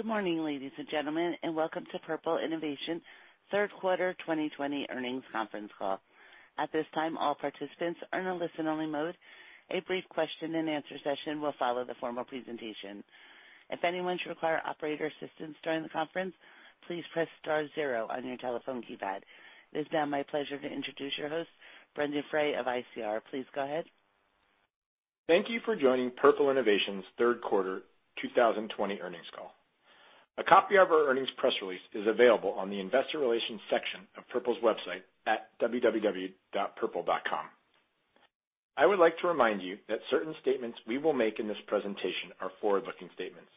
Good morning, ladies and gentlemen, and welcome to Purple Innovation third quarter 2020 earnings conference call. At this time, all participants are in a listen-only mode. A brief question and answer session will follow the formal presentation. If anyone should require operator assistance during the conference, please press star zero on your telephone keypad. It is now my pleasure to introduce your host, Brendon Frey of ICR. Please go ahead. Thank you for joining Purple Innovation's third quarter 2020 earnings call. A copy of our earnings press release is available on the investor relations section of Purple's website at www.purple.com. I would like to remind you that certain statements we will make in this presentation are forward-looking statements.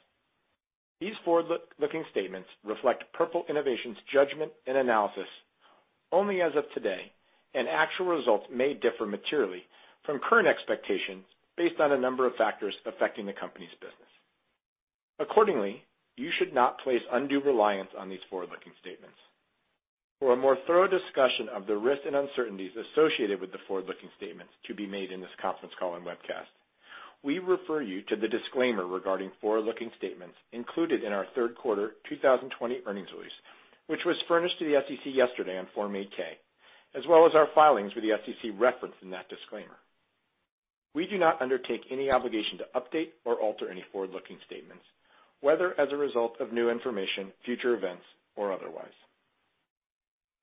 These forward-looking statements reflect Purple Innovation's judgment and analysis only as of today, actual results may differ materially from current expectations based on a number of factors affecting the company's business. Accordingly, you should not place undue reliance on these forward-looking statements. For a more thorough discussion of the risks and uncertainties associated with the forward-looking statements to be made in this conference call and webcast, we refer you to the disclaimer regarding forward-looking statements included in our third quarter 2020 earnings release, which was furnished to the SEC yesterday on Form 8-K, as well as our filings with the SEC referenced in that disclaimer. We do not undertake any obligation to update or alter any forward-looking statements, whether as a result of new information, future events, or otherwise.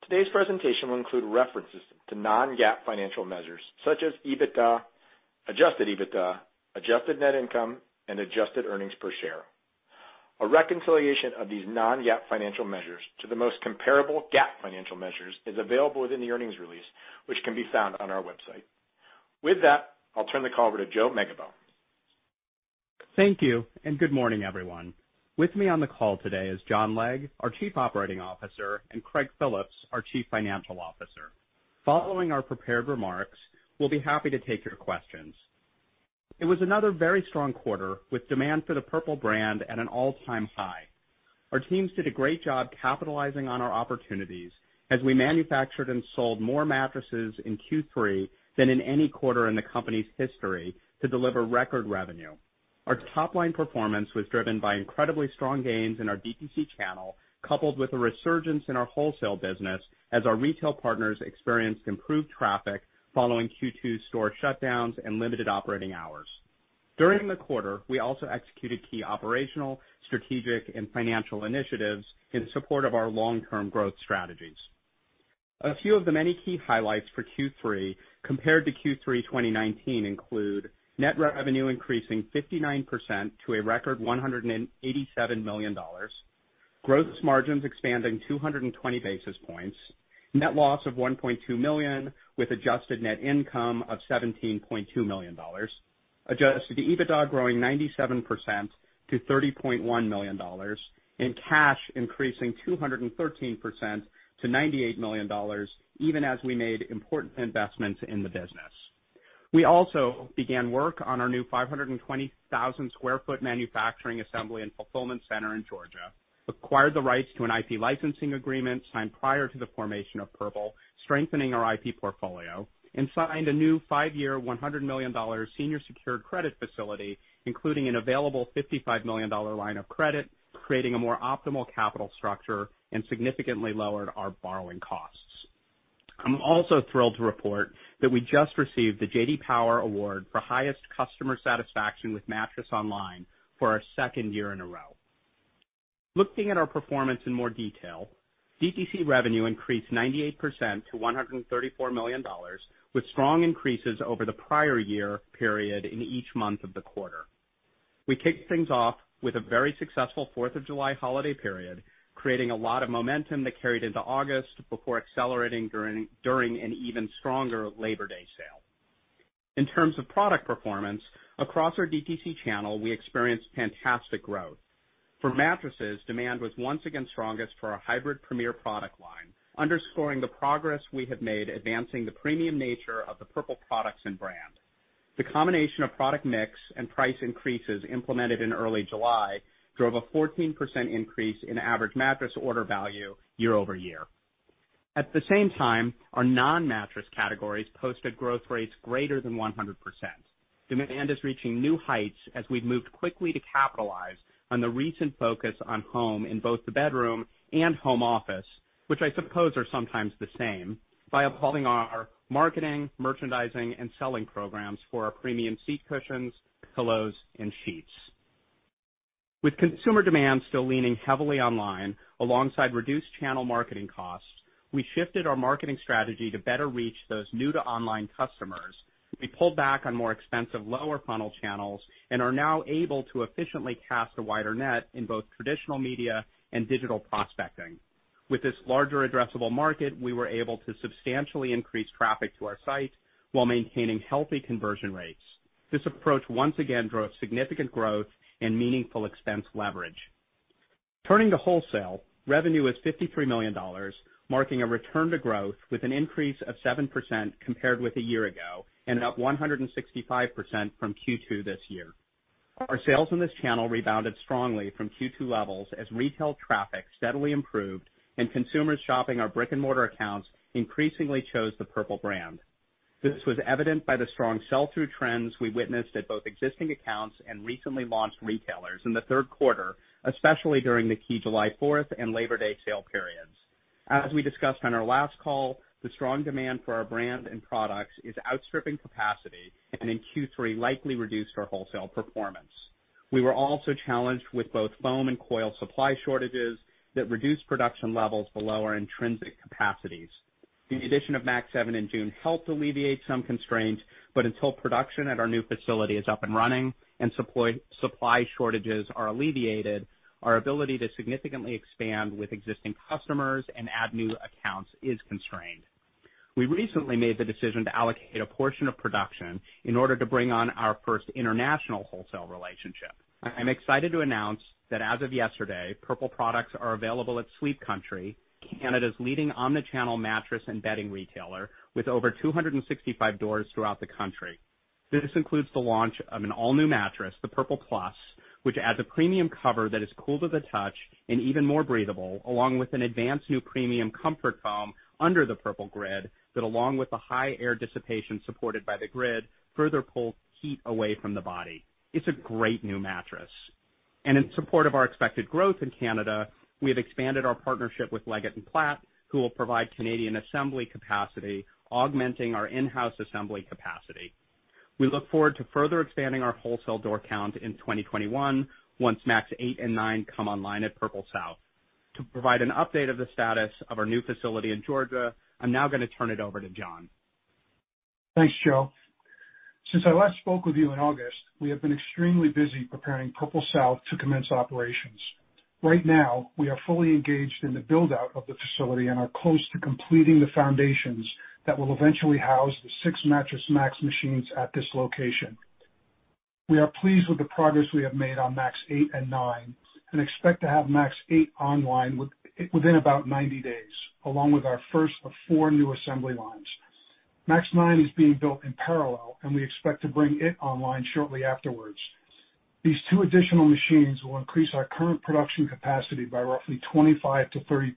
Today's presentation will include references to non-GAAP financial measures such as EBITDA, adjusted EBITDA, adjusted net income, and adjusted earnings per share. A reconciliation of these non-GAAP financial measures to the most comparable GAAP financial measures is available within the earnings release, which can be found on our website. With that, I'll turn the call over to Joe Megibow. Thank you, and good morning, everyone. With me on the call today is John Legg, our Chief Operating Officer, and Craig Phillips, our Chief Financial Officer. Following our prepared remarks, we'll be happy to take your questions. It was another very strong quarter, with demand for the Purple brand at an all-time high. Our teams did a great job capitalizing on our opportunities as we manufactured and sold more mattresses in Q3 than in any quarter in the company's history to deliver record revenue. Our top-line performance was driven by incredibly strong gains in our DTC channel, coupled with a resurgence in our wholesale business as our retail partners experienced improved traffic following Q2 store shutdowns and limited operating hours. During the quarter, we also executed key operational, strategic, and financial initiatives in support of our long-term growth strategies. A few of the many key highlights for Q3 compared to Q3 2019 include net revenue increasing 59% to a record $187 million, gross margins expanding 220 basis points, net loss of $1.2 million, with adjusted net income of $17.2 million, adjusted EBITDA growing 97% to $30.1 million, and cash increasing 213% to $98 million, even as we made important investments in the business. We also began work on our new 520,000 square foot manufacturing assembly and fulfillment center in Georgia, acquired the rights to an IP licensing agreement signed prior to the formation of Purple, strengthening our IP portfolio, and signed a new five-year, $100 million senior secured credit facility, including an available $55 million line of credit, creating a more optimal capital structure and significantly lowered our borrowing costs. I'm also thrilled to report that we just received the J.D. Power Award for highest customer satisfaction with Mattress Online for our second year in a row. Looking at our performance in more detail, DTC revenue increased 98% to $134 million, with strong increases over the prior year period in each month of the quarter. We kicked things off with a very successful Fourth of July holiday period, creating a lot of momentum that carried into August before accelerating during an even stronger Labor Day sale. In terms of product performance, across our DTC channel, we experienced fantastic growth. For mattresses, demand was once again strongest for our Hybrid Premier product line, underscoring the progress we have made advancing the premium nature of the Purple products and brand. The combination of product mix and price increases implemented in early July drove a 14% increase in average mattress order value year-over-year. At the same time, our non-mattress categories posted growth rates greater than 100%. Demand is reaching new heights as we've moved quickly to capitalize on the recent focus on home in both the bedroom and home office, which I suppose are sometimes the same, by upholding our marketing, merchandising, and selling programs for our premium seat cushions, pillows, and sheets. Consumer demand still leaning heavily online, alongside reduced channel marketing costs, we shifted our marketing strategy to better reach those new-to-online customers. We pulled back on more expensive lower-funnel channels and are now able to efficiently cast a wider net in both traditional media and digital prospecting. With this larger addressable market, we were able to substantially increase traffic to our site while maintaining healthy conversion rates. This approach once again drove significant growth and meaningful expense leverage. Turning to wholesale, revenue was $53 million, marking a return to growth with an increase of 7% compared with a year ago, and up 165% from Q2 this year. Our sales in this channel rebounded strongly from Q2 levels as retail traffic steadily improved and consumers shopping our brick-and-mortar accounts increasingly chose the Purple brand. This was evident by the strong sell-through trends we witnessed at both existing accounts and recently launched retailers in the third quarter, especially during the key July 4th and Labor Day sale periods. As we discussed on our last call, the strong demand for our brand and products is outstripping capacity, and in Q3 likely reduced our wholesale performance. We were also challenged with both foam and coil supply shortages that reduced production levels below our intrinsic capacities. The addition of MAX 7 in June helped alleviate some constraints, but until production at our new facility is up and running and supply shortages are alleviated, our ability to significantly expand with existing customers and add new accounts is constrained. We recently made the decision to allocate a portion of production in order to bring on our first international wholesale relationship. I'm excited to announce that as of yesterday, Purple products are available at Sleep Country, Canada's leading omni-channel mattress and bedding retailer, with over 265 doors throughout the country. This includes the launch of an all-new mattress, the Purple Plus, which adds a premium cover that is cool to the touch and even more breathable, along with an advanced new premium comfort foam under the Purple Grid that, along with the high air dissipation supported by the Grid, further pulls heat away from the body. It's a great new mattress. In support of our expected growth in Canada, we have expanded our partnership with Leggett & Platt, who will provide Canadian assembly capacity, augmenting our in-house assembly capacity. We look forward to further expanding our wholesale door count in 2021 once MAX 8 and 9 come online at Purple South. To provide an update of the status of our new facility in Georgia, I'm now gonna turn it over to John. Thanks, Joe. Since I last spoke with you in August, we have been extremely busy preparing Purple South to commence operations. Right now, we are fully engaged in the build-out of the facility and are close to completing the foundations that will eventually house the six Mattress Max machines at this location. We are pleased with the progress we have made on MAX 8 and 9, and expect to have MAX 8 online within about 90 days, along with our first of four new assembly lines. MAX 9 is being built in parallel, and we expect to bring it online shortly afterwards. These two additional machines will increase our current production capacity by roughly 25%-30%,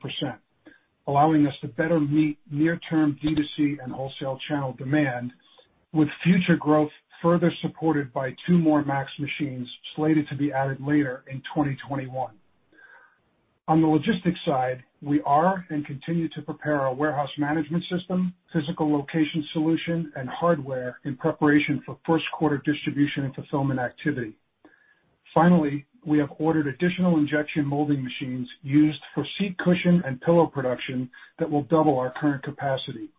allowing us to better meet near-term D2C and wholesale channel demand, with future growth further supported by two more MAX machines slated to be added later in 2021. On the logistics side, we are and continue to prepare our warehouse management system, physical location solution, and hardware in preparation for first quarter distribution and fulfillment activity. Finally, we have ordered additional injection molding machines used for seat cushion and pillow production that will double our current capacity.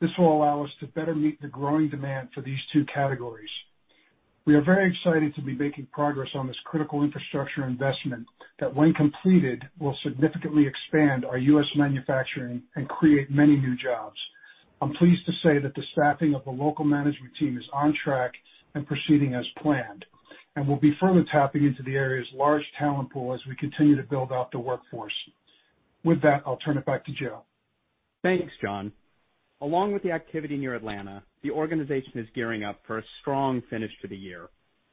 This will allow us to better meet the growing demand for these two categories. We are very excited to be making progress on this critical infrastructure investment that, when completed, will significantly expand our U.S. manufacturing and create many new jobs. I'm pleased to say that the staffing of the local management team is on track and proceeding as planned, and we'll be further tapping into the area's large talent pool as we continue to build out the workforce. With that, I'll turn it back to Joe. Thanks, John. Along with the activity near Atlanta, the organization is gearing up for a strong finish to the year.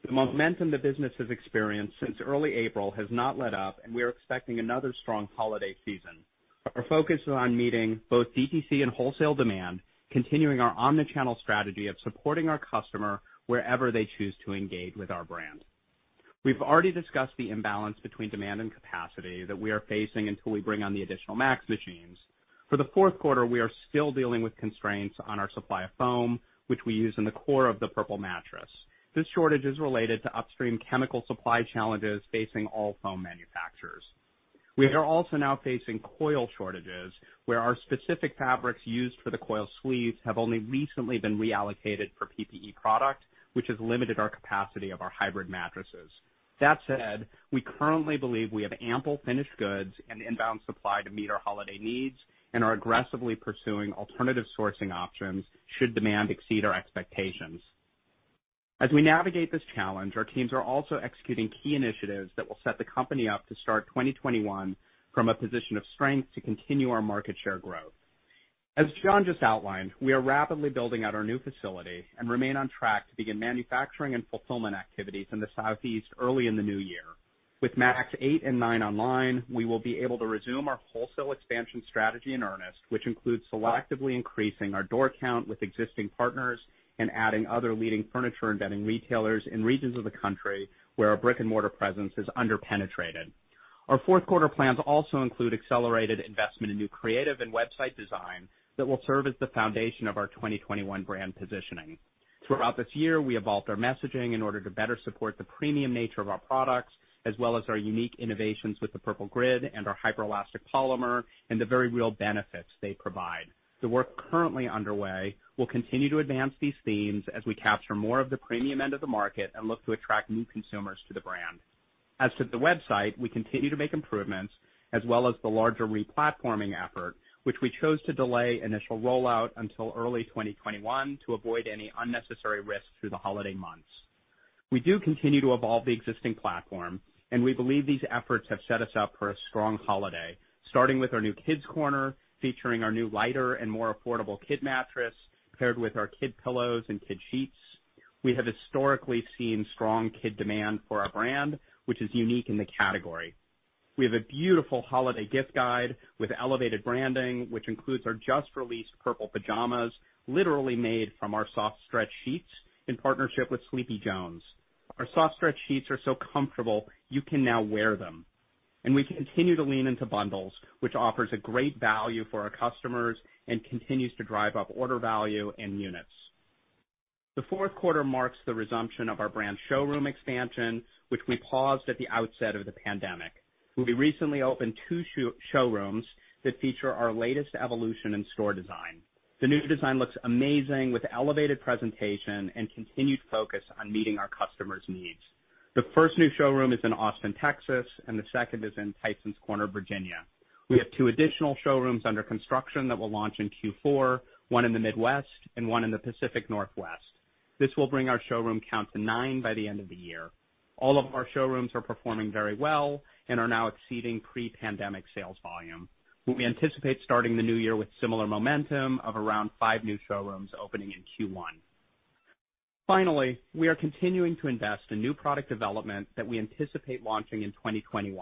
The momentum the business has experienced since early April has not let up, and we are expecting another strong holiday season. Our focus is on meeting both DTC and wholesale demand, continuing our omni-channel strategy of supporting our customer wherever they choose to engage with our brand. We've already discussed the imbalance between demand and capacity that we are facing until we bring on the additional MAX machines. For the fourth quarter, we are still dealing with constraints on our supply of foam, which we use in the core of the Purple mattress. This shortage is related to upstream chemical supply challenges facing all foam manufacturers. We are also now facing coil shortages, where our specific fabrics used for the coil sleeves have only recently been reallocated for PPE product, which has limited our capacity of our hybrid mattresses. That said, we currently believe we have ample finished goods and inbound supply to meet our holiday needs and are aggressively pursuing alternative sourcing options should demand exceed our expectations. As we navigate this challenge, our teams are also executing key initiatives that will set the company up to start 2021 from a position of strength to continue our market share growth. As John just outlined, we are rapidly building out our new facility and remain on track to begin manufacturing and fulfillment activities in the Southeast early in the new year. With MAX 8 and 9 online, we will be able to resume our wholesale expansion strategy in earnest, which includes selectively increasing our door count with existing partners and adding other leading furniture and bedding retailers in regions of the country where our brick-and-mortar presence is under-penetrated. Our fourth quarter plans also include accelerated investment in new creative and website design that will serve as the foundation of our 2021 brand positioning. Throughout this year, we evolved our messaging in order to better support the premium nature of our products, as well as our unique innovations with the Purple Grid and our Hyper-Elastic Polymer, and the very real benefits they provide. The work currently underway will continue to advance these themes as we capture more of the premium end of the market and look to attract new consumers to the brand. As to the website, we continue to make improvements as well as the larger re-platforming effort, which we chose to delay initial rollout until early 2021 to avoid any unnecessary risk through the holiday months. We do continue to evolve the existing platform, and we believe these efforts have set us up for a strong holiday, starting with our new kids corner, featuring our new lighter and more affordable kid mattress paired with our kid pillows and kid sheets. We have historically seen strong kid demand for our brand, which is unique in the category. We have a beautiful holiday gift guide with elevated branding, which includes our just-released Purple pajamas, literally made from our SoftStretch Sheets in partnership with Sleepy Jones. Our SoftStretch Sheets are so comfortable you can now wear them. We continue to lean into bundles, which offers a great value for our customers and continues to drive up order value and units. The fourth quarter marks the resumption of our brand showroom expansion, which we paused at the outset of the pandemic. We recently opened two showrooms that feature our latest evolution in store design. The new design looks amazing, with elevated presentation and continued focus on meeting our customers' needs. The first new showroom is in Austin, Texas, and the second is in Tysons Corner, Virginia. We have two additional showrooms under construction that will launch in Q4, one in the Midwest and one in the Pacific Northwest. This will bring our showroom count to nine by the end of the year. All of our showrooms are performing very well and are now exceeding pre-pandemic sales volume. We anticipate starting the new year with similar momentum of around five new showrooms opening in Q1. Finally, we are continuing to invest in new product development that we anticipate launching in 2021.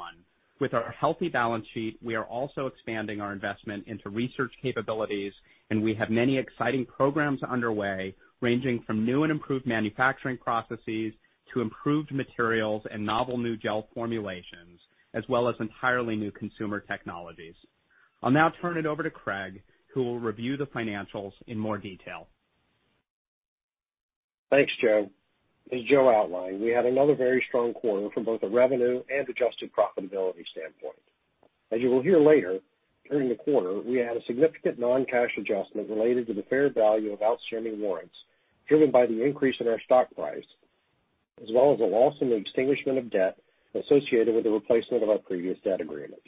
With our healthy balance sheet, we are also expanding our investment into research capabilities, and we have many exciting programs underway, ranging from new and improved manufacturing processes to improved materials and novel new gel formulations, as well as entirely new consumer technologies. I'll now turn it over to Craig, who will review the financials in more detail. Thanks, Joe. As Joe outlined, we had another very strong quarter from both a revenue and adjusted profitability standpoint. As you will hear later, during the quarter, we had a significant non-cash adjustment related to the fair value of outstanding warrants, driven by the increase in our stock price, as well as a loss in the extinguishment of debt associated with the replacement of our previous debt agreement.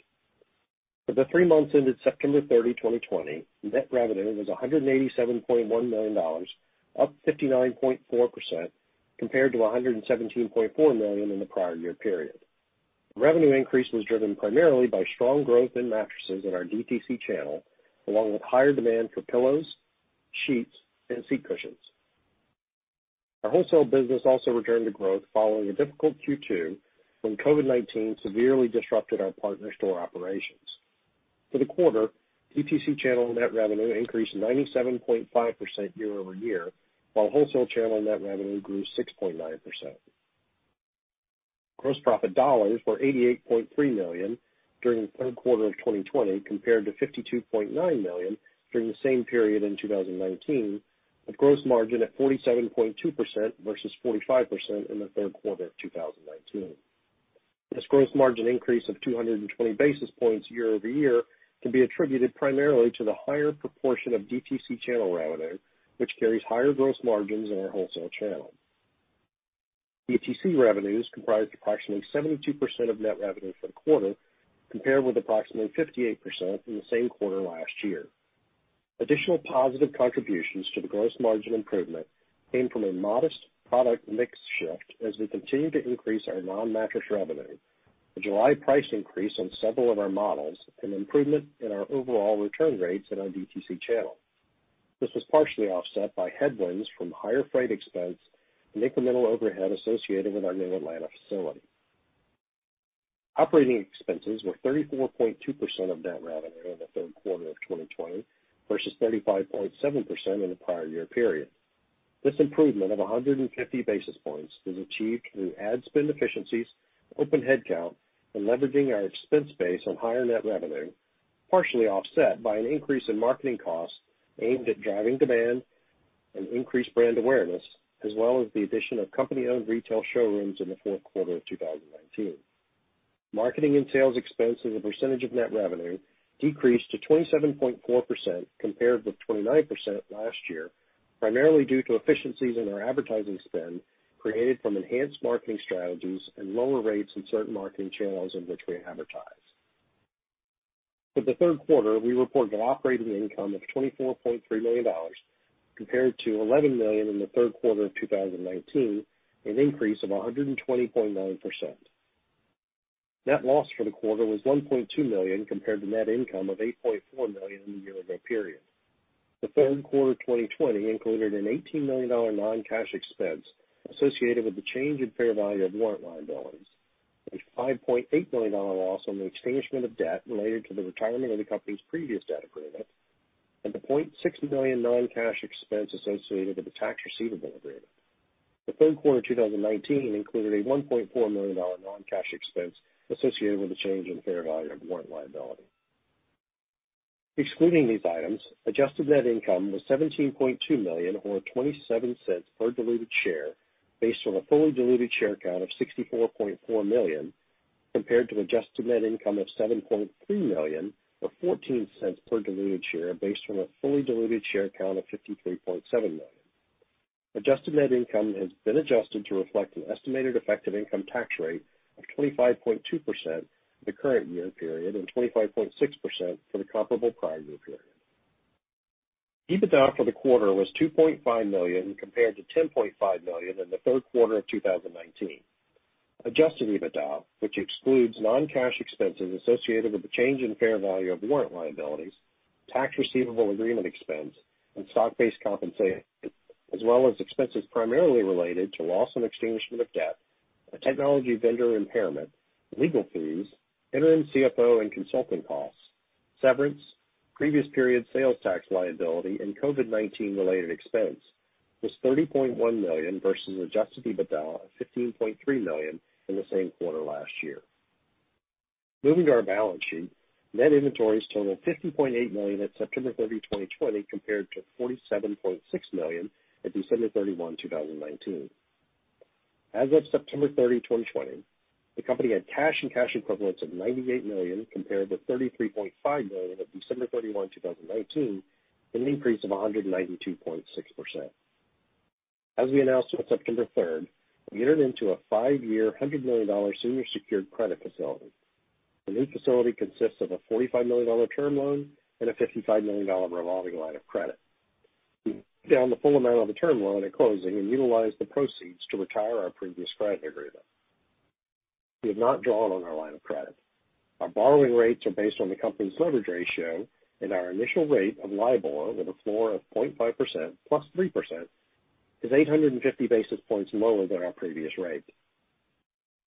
For the three months ended September 30, 2020, net revenue was $187.1 million, up 59.4%, compared to $117.4 million in the prior year period. Revenue increase was driven primarily by strong growth in mattresses in our DTC channel, along with higher demand for pillows, sheets, and seat cushions. Our wholesale business also returned to growth following a difficult Q2 when COVID-19 severely disrupted our partner store operations. For the quarter, DTC channel net revenue increased 97.5% year-over-year, while wholesale channel net revenue grew 6.9%. Gross profit dollars were $88.3 million during the third quarter of 2020 compared to $52.9 million during the same period in 2019, with gross margin at 47.2% versus 45% in the third quarter of 2019. This gross margin increase of 220 basis points year-over-year can be attributed primarily to the higher proportion of DTC channel revenue, which carries higher gross margins than our wholesale channel. DTC revenues comprised approximately 72% of net revenue for the quarter, compared with approximately 58% in the same quarter last year. Additional positive contributions to the gross margin improvement came from a modest product mix shift as we continue to increase our non-mattress revenue, the July price increase on several of our models, and improvement in our overall return rates in our DTC channel. This was partially offset by headwinds from higher freight expense and incremental overhead associated with our new Atlanta facility. Operating expenses were 34.2% of net revenue in the third quarter of 2020 versus 35.7% in the prior year period. This improvement of 150 basis points was achieved through ad spend efficiencies, open headcount, and leveraging our expense base on higher net revenue, partially offset by an increase in marketing costs aimed at driving demand and increased brand awareness, as well as the addition of company-owned retail showrooms in the fourth quarter of 2019. Marketing and sales expense as a percentage of net revenue decreased to 27.4% compared with 29% last year, primarily due to efficiencies in our advertising spend created from enhanced marketing strategies and lower rates in certain marketing channels in which we advertise. For the third quarter, we report net operating income of $24.3 million compared to $11 million in the third quarter of 2019, an increase of 120.9%. Net loss for the quarter was $1.2 million compared to net income of $8.4 million in the year-over-year period. The third quarter 2020 included an $18 million non-cash expense associated with the change in fair value of warrant liability, a $5.8 million loss on the extinguishment of debt related to the retirement of the company's previous debt agreement, and a $0.6 million non-cash expense associated with the tax receivable agreement. The third quarter 2019 included a $1.4 million non-cash expense associated with the change in fair value of warrant liability. Excluding these items, adjusted net income was $17.2 million, or $0.27 per diluted share, based on a fully diluted share count of 64.4 million, compared to adjusted net income of $7.3 million, or $0.14 per diluted share, based on a fully diluted share count of 53.7 million. Adjusted net income has been adjusted to reflect an estimated effective income tax rate of 25.2% for the current year period and 25.6% for the comparable prior year period. EBITDA for the quarter was $2.5 million compared to $10.5 million in the third quarter of 2019. Adjusted EBITDA, which excludes non-cash expenses associated with the change in fair value of warrant liabilities, Tax receivable agreement expense and stock-based compensation, as well as expenses primarily related to loss on extinguishment of debt, a technology vendor impairment, legal fees, interim CFO and consulting costs, severance, previous period sales tax liability, and COVID-19 related expense was $30.1 million versus adjusted EBITDA of $15.3 million in the same quarter last year. Moving to our balance sheet, net inventories totaled $50.8 million at September 30, 2020, compared to $47.6 million at December 31, 2019. As of September 30, 2020, the company had cash and cash equivalents of $98 million, compared with $33.5 million at December 31, 2019, an increase of 192.6%. As we announced on September 3rd, we entered into a five-year, $100 million senior secured credit facility. The new facility consists of a $45 million term loan and a $55 million revolving line of credit. We drew down the full amount of the term loan at closing and utilized the proceeds to retire our previous credit agreement. We have not drawn on our line of credit. Our borrowing rates are based on the company's leverage ratio, and our initial rate of LIBOR, with a floor of 0.5% plus 3%, is 850 basis points lower than our previous rate.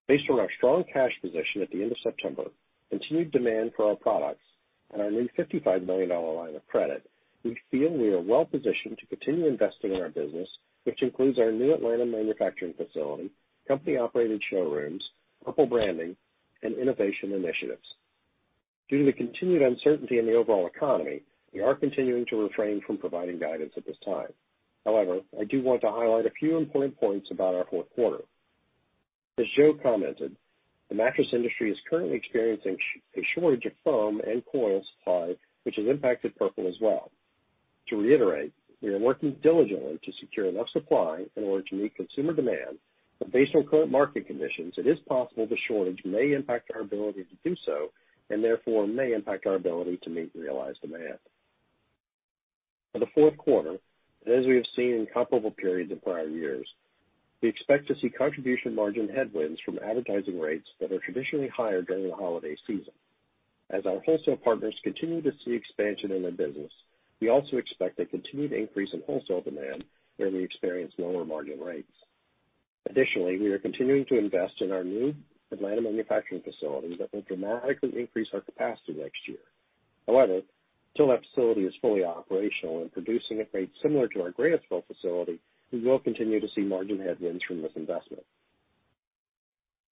Based on our strong cash position at the end of September, continued demand for our products, and our new $55 million line of credit, we feel we are well positioned to continue investing in our business, which includes our new Atlanta manufacturing facility, company-operated showrooms, Purple branding, and innovation initiatives. Due to the continued uncertainty in the overall economy, we are continuing to refrain from providing guidance at this time. However, I do want to highlight a few important points about our fourth quarter. As Joe commented, the mattress industry is currently experiencing a shortage of foam and coil supply, which has impacted Purple as well. To reiterate, we are working diligently to secure enough supply in order to meet consumer demand, but based on current market conditions, it is possible the shortage may impact our ability to do so, and therefore may impact our ability to meet realized demand. For the fourth quarter, as we have seen in comparable periods in prior years, we expect to see contribution margin headwinds from advertising rates that are traditionally higher during the holiday season. As our wholesale partners continue to see expansion in their business, we also expect a continued increase in wholesale demand where we experience lower margin rates. Additionally, we are continuing to invest in our new Atlanta manufacturing facility that will dramatically increase our capacity next year. However, until that facility is fully operational and producing at rates similar to our Grantsville facility, we will continue to see margin headwinds from this investment.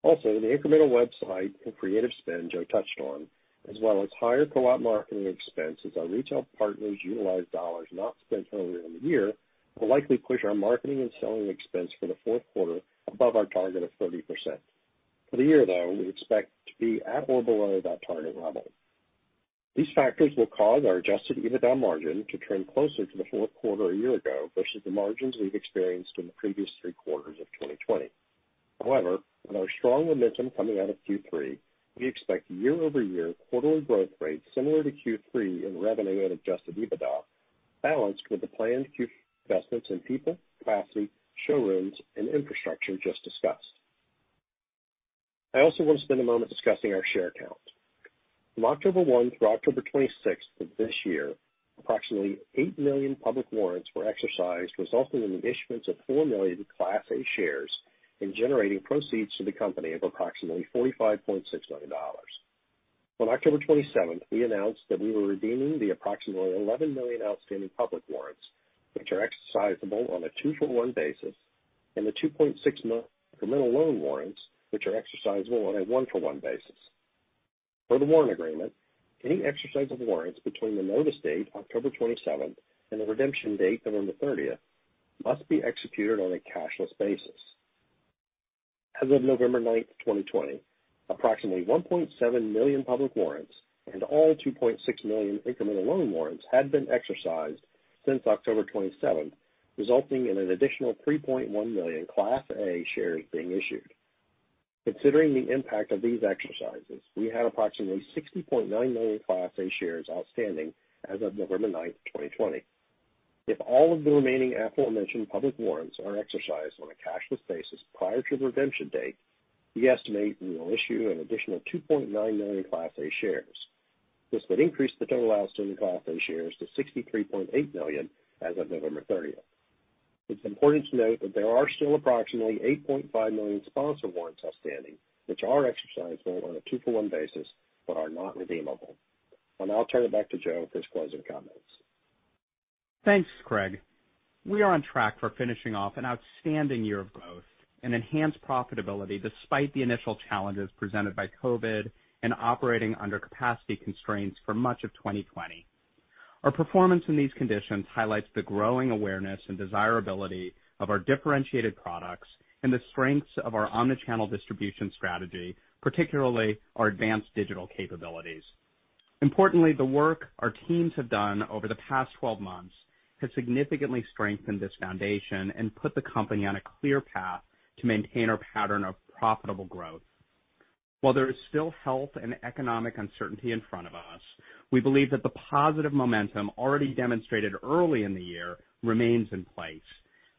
Also, the incremental website and creative spend Joe touched on, as well as higher co-op marketing expenses our retail partners utilize dollars not spent earlier in the year, will likely push our marketing and selling expense for the fourth quarter above our target of 30%. For the year, though, we expect to be at or below that target level. These factors will cause our adjusted EBITDA margin to trend closer to the fourth quarter a year ago versus the margins we've experienced in the previous three quarters of 2020. With our strong momentum coming out of Q3, we expect year-over-year quarterly growth rates similar to Q3 in revenue and adjusted EBITDA, balanced with the planned Q4 investments in people, capacity, showrooms, and infrastructure just discussed. I also want to spend a moment discussing our share count. From October 1 through October 26 of this year, approximately eight million public warrants were exercised, resulting in the issuance of 4 million Class A shares and generating proceeds to the company of approximately $45.6 million. On October 27, we announced that we were redeeming the approximately 11 million outstanding public warrants, which are exercisable on a two-for-one basis, and the 2.6 million incremental loan warrants, which are exercisable on a one-for-one basis. Per the warrant agreement, any exercisable warrants between the notice date, October 27th, and the redemption date, November 30th, must be executed on a cashless basis. As of November 9th, 2020, approximately 1.7 million public warrants and all 2.6 million incremental loan warrants had been exercised since October 27th, resulting in an additional 3.1 million Class A shares being issued. Considering the impact of these exercises, we had approximately 60.9 million Class A shares outstanding as of November 9th, 2020. If all of the remaining aforementioned public warrants are exercised on a cashless basis prior to the redemption date, we estimate we will issue an additional 2.9 million Class A shares. This would increase the total outstanding Class A shares to $63.8 million as of November 30th. It's important to note that there are still approximately $8.5 million sponsor warrants outstanding, which are exercisable on a 2-for-1 basis but are not redeemable. I'll now turn it back to Joe for his closing comments. Thanks, Craig. We are on track for finishing off an outstanding year of growth and enhanced profitability, despite the initial challenges presented by COVID and operating under capacity constraints for much of 2020. Our performance in these conditions highlights the growing awareness and desirability of our differentiated products and the strengths of our omni-channel distribution strategy, particularly our advanced digital capabilities. Importantly, the work our teams have done over the past 12 months has significantly strengthened this foundation and put the company on a clear path to maintain our pattern of profitable growth. While there is still health and economic uncertainty in front of us, we believe that the positive momentum already demonstrated early in the year remains in place.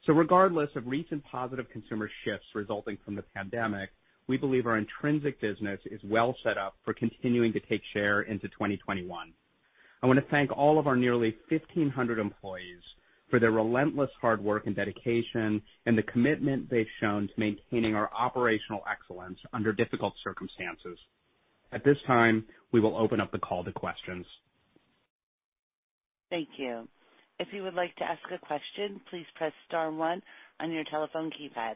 Regardless of recent positive consumer shifts resulting from the pandemic, we believe our intrinsic business is well set up for continuing to take share into 2021. I want to thank all of our nearly 1,500 employees for their relentless hard work and dedication and the commitment they've shown to maintaining our operational excellence under difficult circumstances. At this time, we will open up the call to questions. Thank you. If you would like to ask a question, please press star one on your telephone keypad.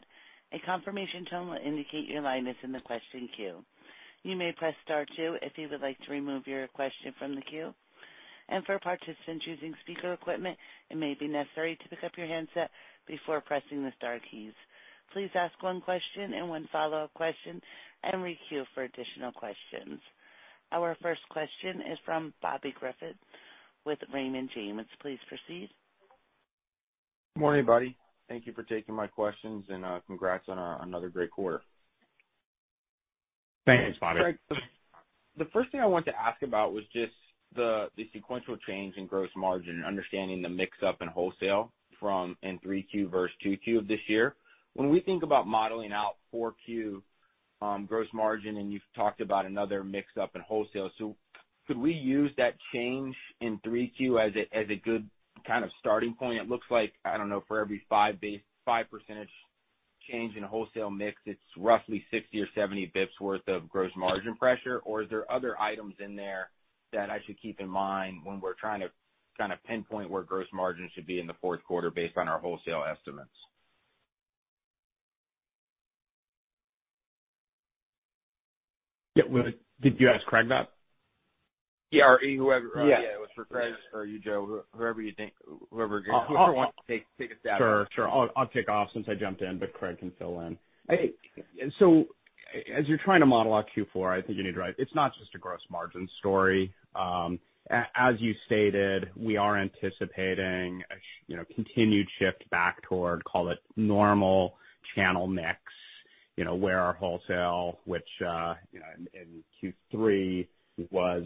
A confirmation tone will indicate your line is in the question queue. You may press star two if you would like to remove your question from the queue. For participants using speaker equipment, it may be necessary to pick up your handset before pressing the star keys. Please ask one question and one follow-up question and re-queue for additional questions. Our first question is from Bobby Griffin with Raymond James. Please proceed. Morning, buddy. Thank you for taking my questions and congrats on another great quarter. Thanks, Bobby. Craig, the first thing I wanted to ask about was just the sequential change in gross margin, understanding the mix-up in wholesale from in 3Q versus 2Q of this year. When we think about modeling out 4Q gross margin, and you've talked about another mix-up in wholesale, could we use that change in 3Q as a good kind of starting point? It looks like, I don't know, for every 5% change in wholesale mix, it's roughly 60 or 70 basis points worth of gross margin pressure. Is there other items in there that I should keep in mind when we're trying to kind of pinpoint where gross margin should be in the fourth quarter based on our wholesale estimates? Yeah. Did you ask Craig that? Yeah. Whoever. Yeah. Yeah, it was for Craig or you, Joe, whoever wants to take a stab at it. Sure. I'll take off since I jumped in, but Craig can fill in. As you're trying to model out Q4, I think you need to realize it's not just a gross margin story. As you stated, we are anticipating a continued shift back toward, call it, normal channel mix, where our wholesale, which, in Q3 was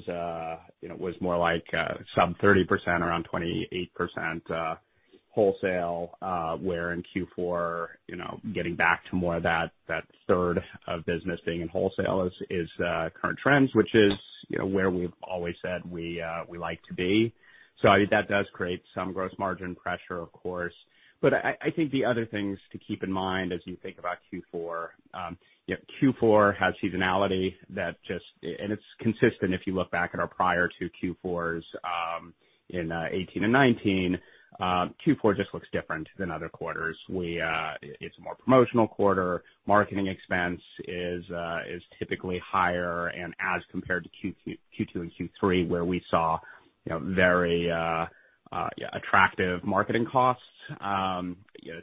more like sub 30%, around 28% wholesale, where in Q4, getting back to more of that third of business being in wholesale is current trends, which is where we've always said we like to be. That does create some gross margin pressure, of course. I think the other things to keep in mind as you think about Q4 has seasonality that and it's consistent if you look back at our prior two Q4s in 2018 and 2019. Q4 just looks different than other quarters. It's a more promotional quarter. As compared to Q2 and Q3, where we saw very attractive marketing costs.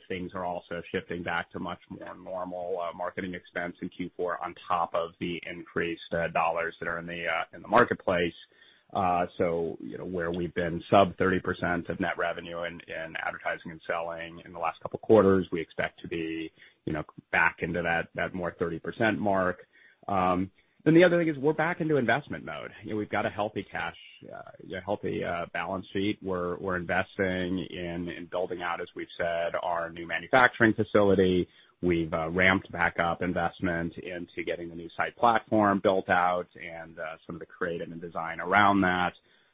Things are also shifting back to much more normal marketing expense in Q4 on top of the increased dollars that are in the marketplace. Where we've been sub 30% of net revenue in advertising and selling in the last couple of quarters, we expect to be back into that more 30% mark. The other thing is we're back into investment mode. We've got a healthy balance sheet. We're investing in building out, as we've said, our new manufacturing facility. We've ramped back up investment into getting the new site platform built out and some of the creative and design around that,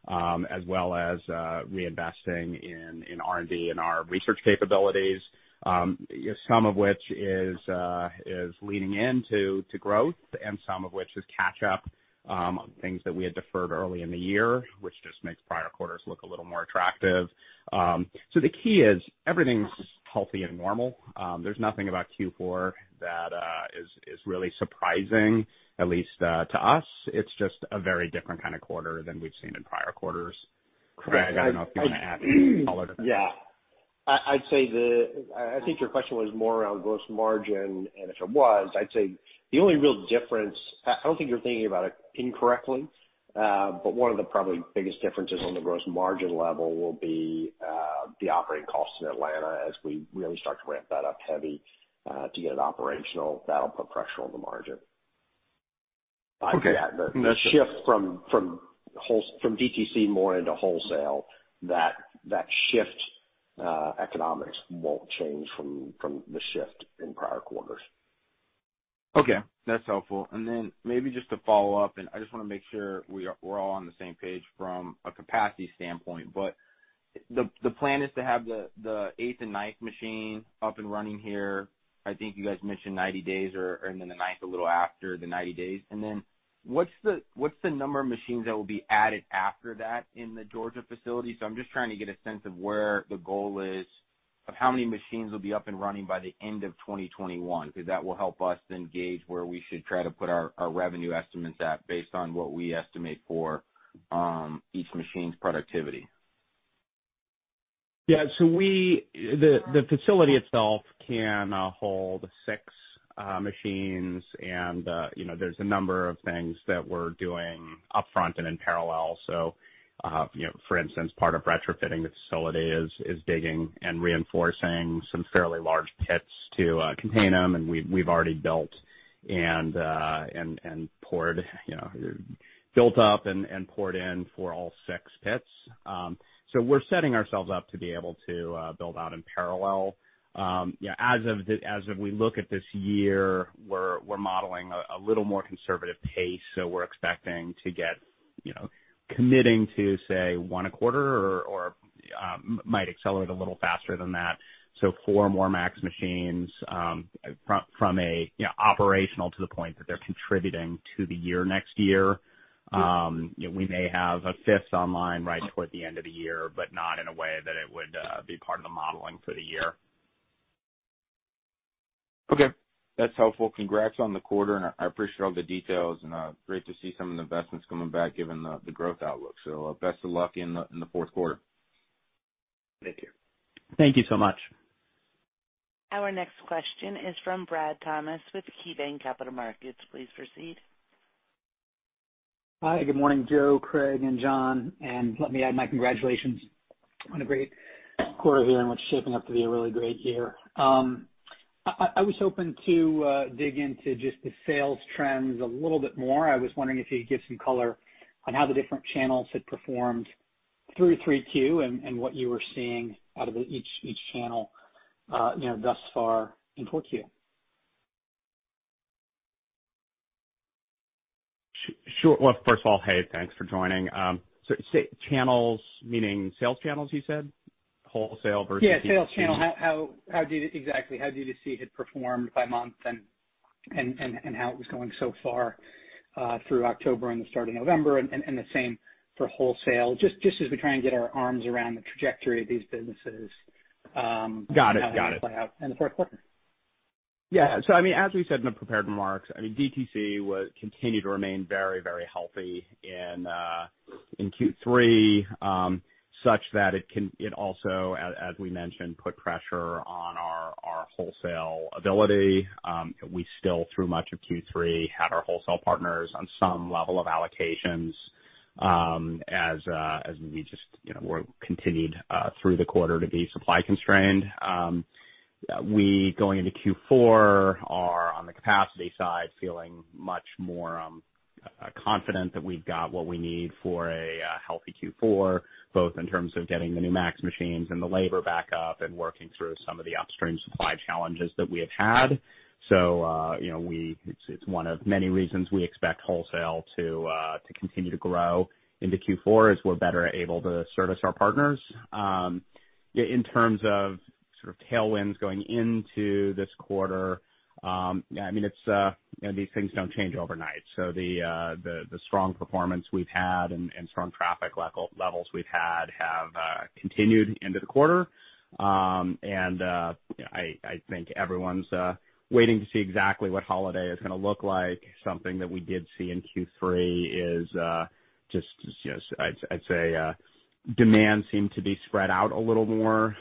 as well as reinvesting in R&D and our research capabilities, some of which is leading into growth and some of which is catch-up on things that we had deferred early in the year, which just makes prior quarters look a little more attractive. The key is everything's healthy and normal. There's nothing about Q4 that is really surprising, at least to us. It's just a very different kind of quarter than we've seen in prior quarters. Craig, I don't know if you want to add color to that. Yeah. I think your question was more around gross margin, and if it was, I'd say, I don't think you're thinking about it incorrectly, but one of the probably biggest differences on the gross margin level will be the operating costs in Atlanta as we really start to ramp that up heavy to get it operational. That'll put pressure on the margin. Okay. The shift from DTC more into wholesale, that shift economics won't change from the shift in prior quarters. Okay. That's helpful. Maybe just to follow up, and I just want to make sure we're all on the same page from a capacity standpoint. The plan is to have the eighth and ninth machine up and running here, I think you guys mentioned 90 days, and then the ninth a little after the 90 days. What's the number of machines that will be added after that in the Georgia facility? I'm just trying to get a sense of where the goal is of how many machines will be up and running by the end of 2021, because that will help us then gauge where we should try to put our revenue estimates at based on what we estimate for each machine's productivity. The facility itself can hold six machines. There's a number of things that we're doing upfront and in parallel. For instance, part of retrofitting the facility is digging and reinforcing some fairly large pits to contain them. We've already built up and poured in for all six pits. We're setting ourselves up to be able to build out in parallel. As of we look at this year, we're modeling a little more conservative pace. We're expecting to get committing to, say, one a quarter or might accelerate a little faster than that. Four more Max machines from a operational to the point that they're contributing to the year next year. We may have a fifth online right toward the end of the year, not in a way that it would be part of the modeling for the year. Okay. That's helpful. Congrats on the quarter, and I appreciate all the details and great to see some of the investments coming back given the growth outlook. Best of luck in the fourth quarter. Thank you. Thank you so much. Our next question is from Brad Thomas with KeyBanc Capital Markets. Please proceed. Hi, good morning, Joe, Craig, and John. Let me add my congratulations on a great quarter here and what's shaping up to be a really great year. I was hoping to dig into just the sales trends a little bit more. I was wondering if you could give some color on how the different channels had performed through 3Q and what you were seeing out of each channel thus far in 4Q. Sure. Well, first of all, hey, thanks for joining. Channels meaning sales channels, you said? Wholesale versus DTC? Yeah, sales channel. Exactly. How did you see it performed by month and how it was going so far through October and the start of November, and the same for wholesale, just as we try and get our arms around the trajectory of these businesses. Got it. how they play out in the fourth quarter. Yeah. As we said in the prepared remarks, DTC continued to remain very healthy in Q3, such that it also, as we mentioned, put pressure on our wholesale ability. We still, through much of Q3, had our wholesale partners on some level of allocations as we just continued through the quarter to be supply constrained. We, going into Q4, are on the capacity side, feeling much more confident that we've got what we need for a healthy Q4, both in terms of getting the new Max machines and the labor back up and working through some of the upstream supply challenges that we have had. It's one of many reasons we expect wholesale to continue to grow into Q4 as we're better able to service our partners. In terms of sort of tailwinds going into this quarter, these things don't change overnight. The strong performance we've had and strong traffic levels we've had have continued into the quarter. I think everyone's waiting to see exactly what holiday is going to look like. Something that we did see in Q3 is just, I'd say, demand seemed to be spread out a little more.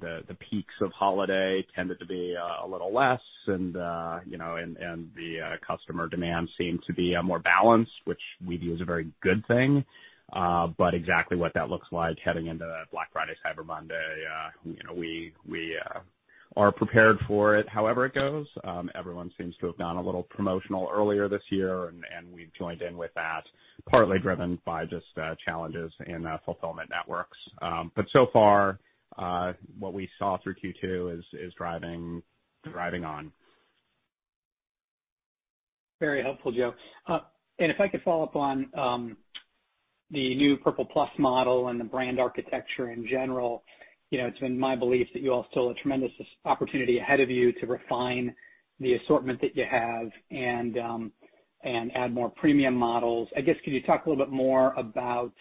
The peaks of holiday tended to be a little less, and the customer demand seemed to be more balanced, which we view as a very good thing. Exactly what that looks like heading into Black Friday, Cyber Monday, we are prepared for it however it goes. Everyone seems to have gone a little promotional earlier this year, and we've joined in with that, partly driven by just challenges in fulfillment networks. So far, what we saw through Q2 is driving on. Very helpful, Joe. If I could follow up on the new Purple Plus model and the brand architecture in general. It's been my belief that you all still have a tremendous opportunity ahead of you to refine the assortment that you have and add more premium models. I guess, could you talk a little bit more about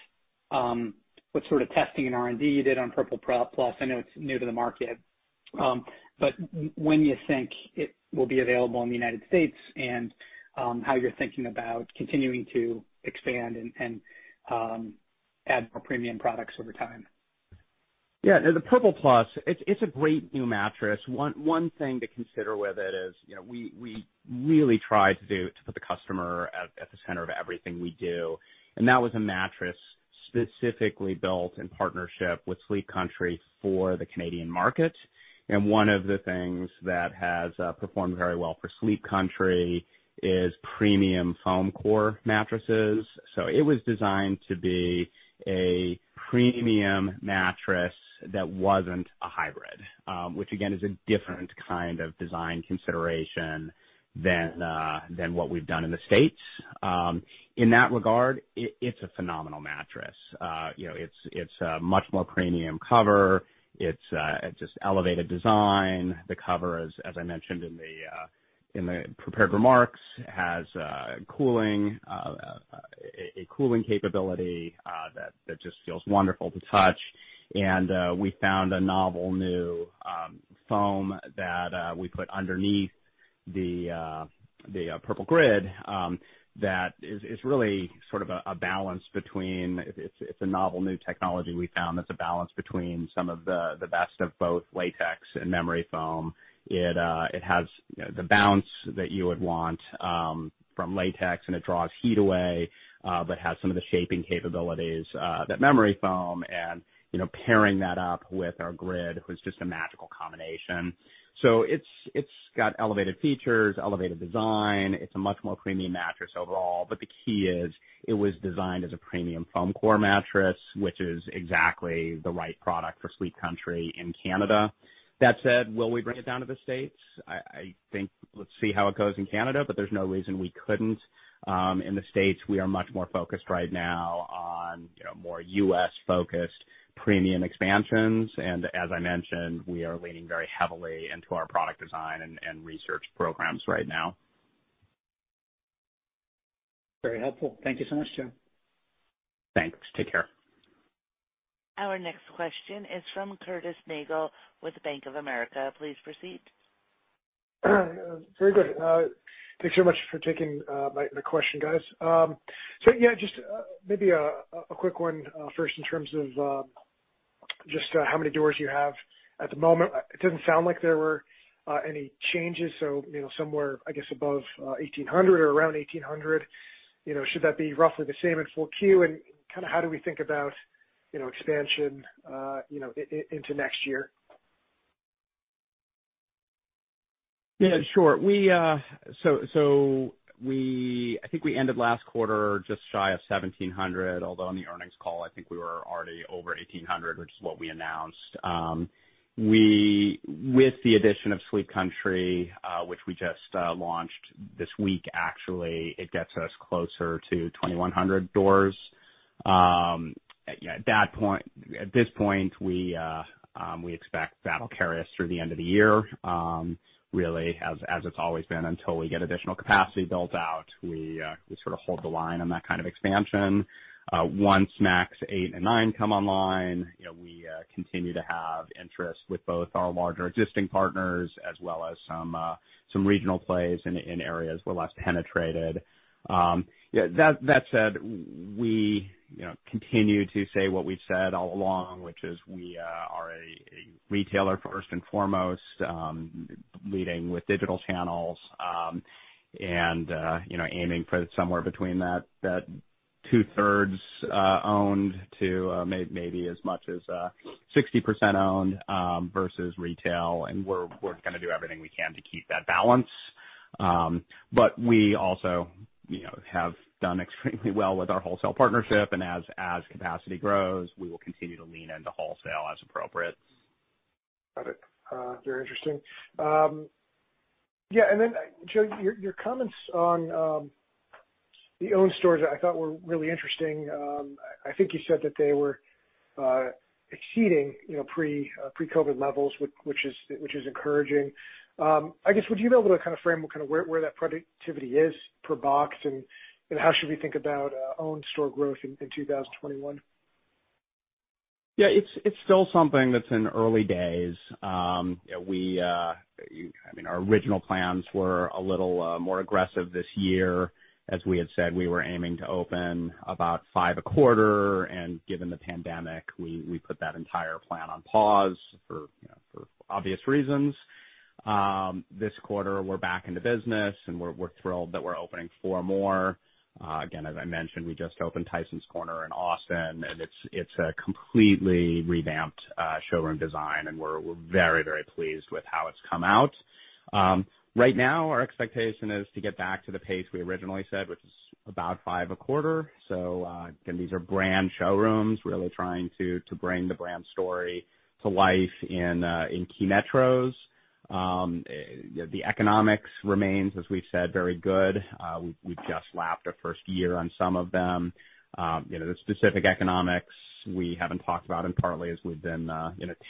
what sort of testing and R&D you did on Purple Plus? I know it's new to the market. When you think it will be available in the United States. and how you're thinking about continuing to expand and add more premium products over time. Yeah. No, the Purple Plus, it's a great new mattress. One thing to consider with it is, we really try to put the customer at the center of everything we do. That was a mattress specifically built in partnership with Sleep Country for the Canadian market. One of the things that has performed very well for Sleep Country is premium foam core mattresses. It was designed to be a premium mattress that wasn't a hybrid, which again, is a different kind of design consideration than what we've done in the States. In that regard, it's a phenomenal mattress. It's a much more premium cover. It's just elevated design. The cover, as I mentioned in the prepared remarks, has a cooling capability that just feels wonderful to touch. We found a novel new foam that we put underneath the Purple Grid that is really sort of it's a novel new technology we found that's a balance between some of the best of both latex and memory foam. It has the bounce that you would want from latex, and it draws heat away, but has some of the shaping capabilities that memory foam and pairing that up with our Purple Grid was just a magical combination. It's got elevated features, elevated design. It's a much more premium mattress overall, but the key is it was designed as a premium foam core mattress, which is exactly the right product for Sleep Country in Canada. That said, will we bring it down to the States? I think let's see how it goes in Canada, but there's no reason we couldn't. In the States, we are much more focused right now on more U.S.-focused premium expansions. As I mentioned, we are leaning very heavily into our product design and research programs right now. Very helpful. Thank you so much, Joe. Thanks. Take care. Our next question is from Curtis Nagle with Bank of America. Please proceed. Very good. Thanks so much for taking my question, guys. Yeah, just maybe a quick one first in terms of just how many doors you have at the moment. It didn't sound like there were any changes, so somewhere I guess above 1,800 or around 1,800. Should that be roughly the same in 4Q? How do we think about expansion into next year? Yeah, sure. I think we ended last quarter just shy of 1,700, although on the earnings call, I think we were already over 1,800, which is what we announced. With the addition of Sleep Country, which we just launched this week, actually, it gets us closer to 2,100 doors. At this point, we expect that'll carry us through the end of the year, really, as it's always been until we get additional capacity built out. We sort of hold the line on that kind of expansion. Once MAX 8 and 9 come online, we continue to have interest with both our larger existing partners as well as some regional plays in areas we're less penetrated. That said, we continue to say what we've said all along, which is we are a retailer first and foremost, leading with digital channels, and aiming for somewhere between that two-thirds owned to maybe as much as 60% owned versus retail, and we're going to do everything we can to keep that balance. We also have done extremely well with our wholesale partnership, and as capacity grows, we will continue to lean into wholesale as appropriate. Got it. Very interesting. Yeah. Then, Joe, your comments on the owned stores I thought were really interesting. I think you said that they were exceeding pre-COVID levels, which is encouraging. I guess, would you be able to kind of frame where that productivity is per box, and how should we think about owned store growth in 2021? Yeah, it's still something that's in early days. Our original plans were a little more aggressive this year. As we had said, we were aiming to open about five a quarter, and given the pandemic, we put that entire plan on pause for obvious reasons. This quarter, we're back in the business and we're thrilled that we're opening four more. As I mentioned, we just opened Tysons Corner and Austin, and it's a completely revamped showroom design, and we're very pleased with how it's come out. Right now, our expectation is to get back to the pace we originally said, which is about five a quarter. Again, these are brand showrooms, really trying to bring the brand story to life in key metros. The economics remains, as we've said, very good. We've just lapped our first year on some of them. The specific economics we haven't talked about, and partly as we've been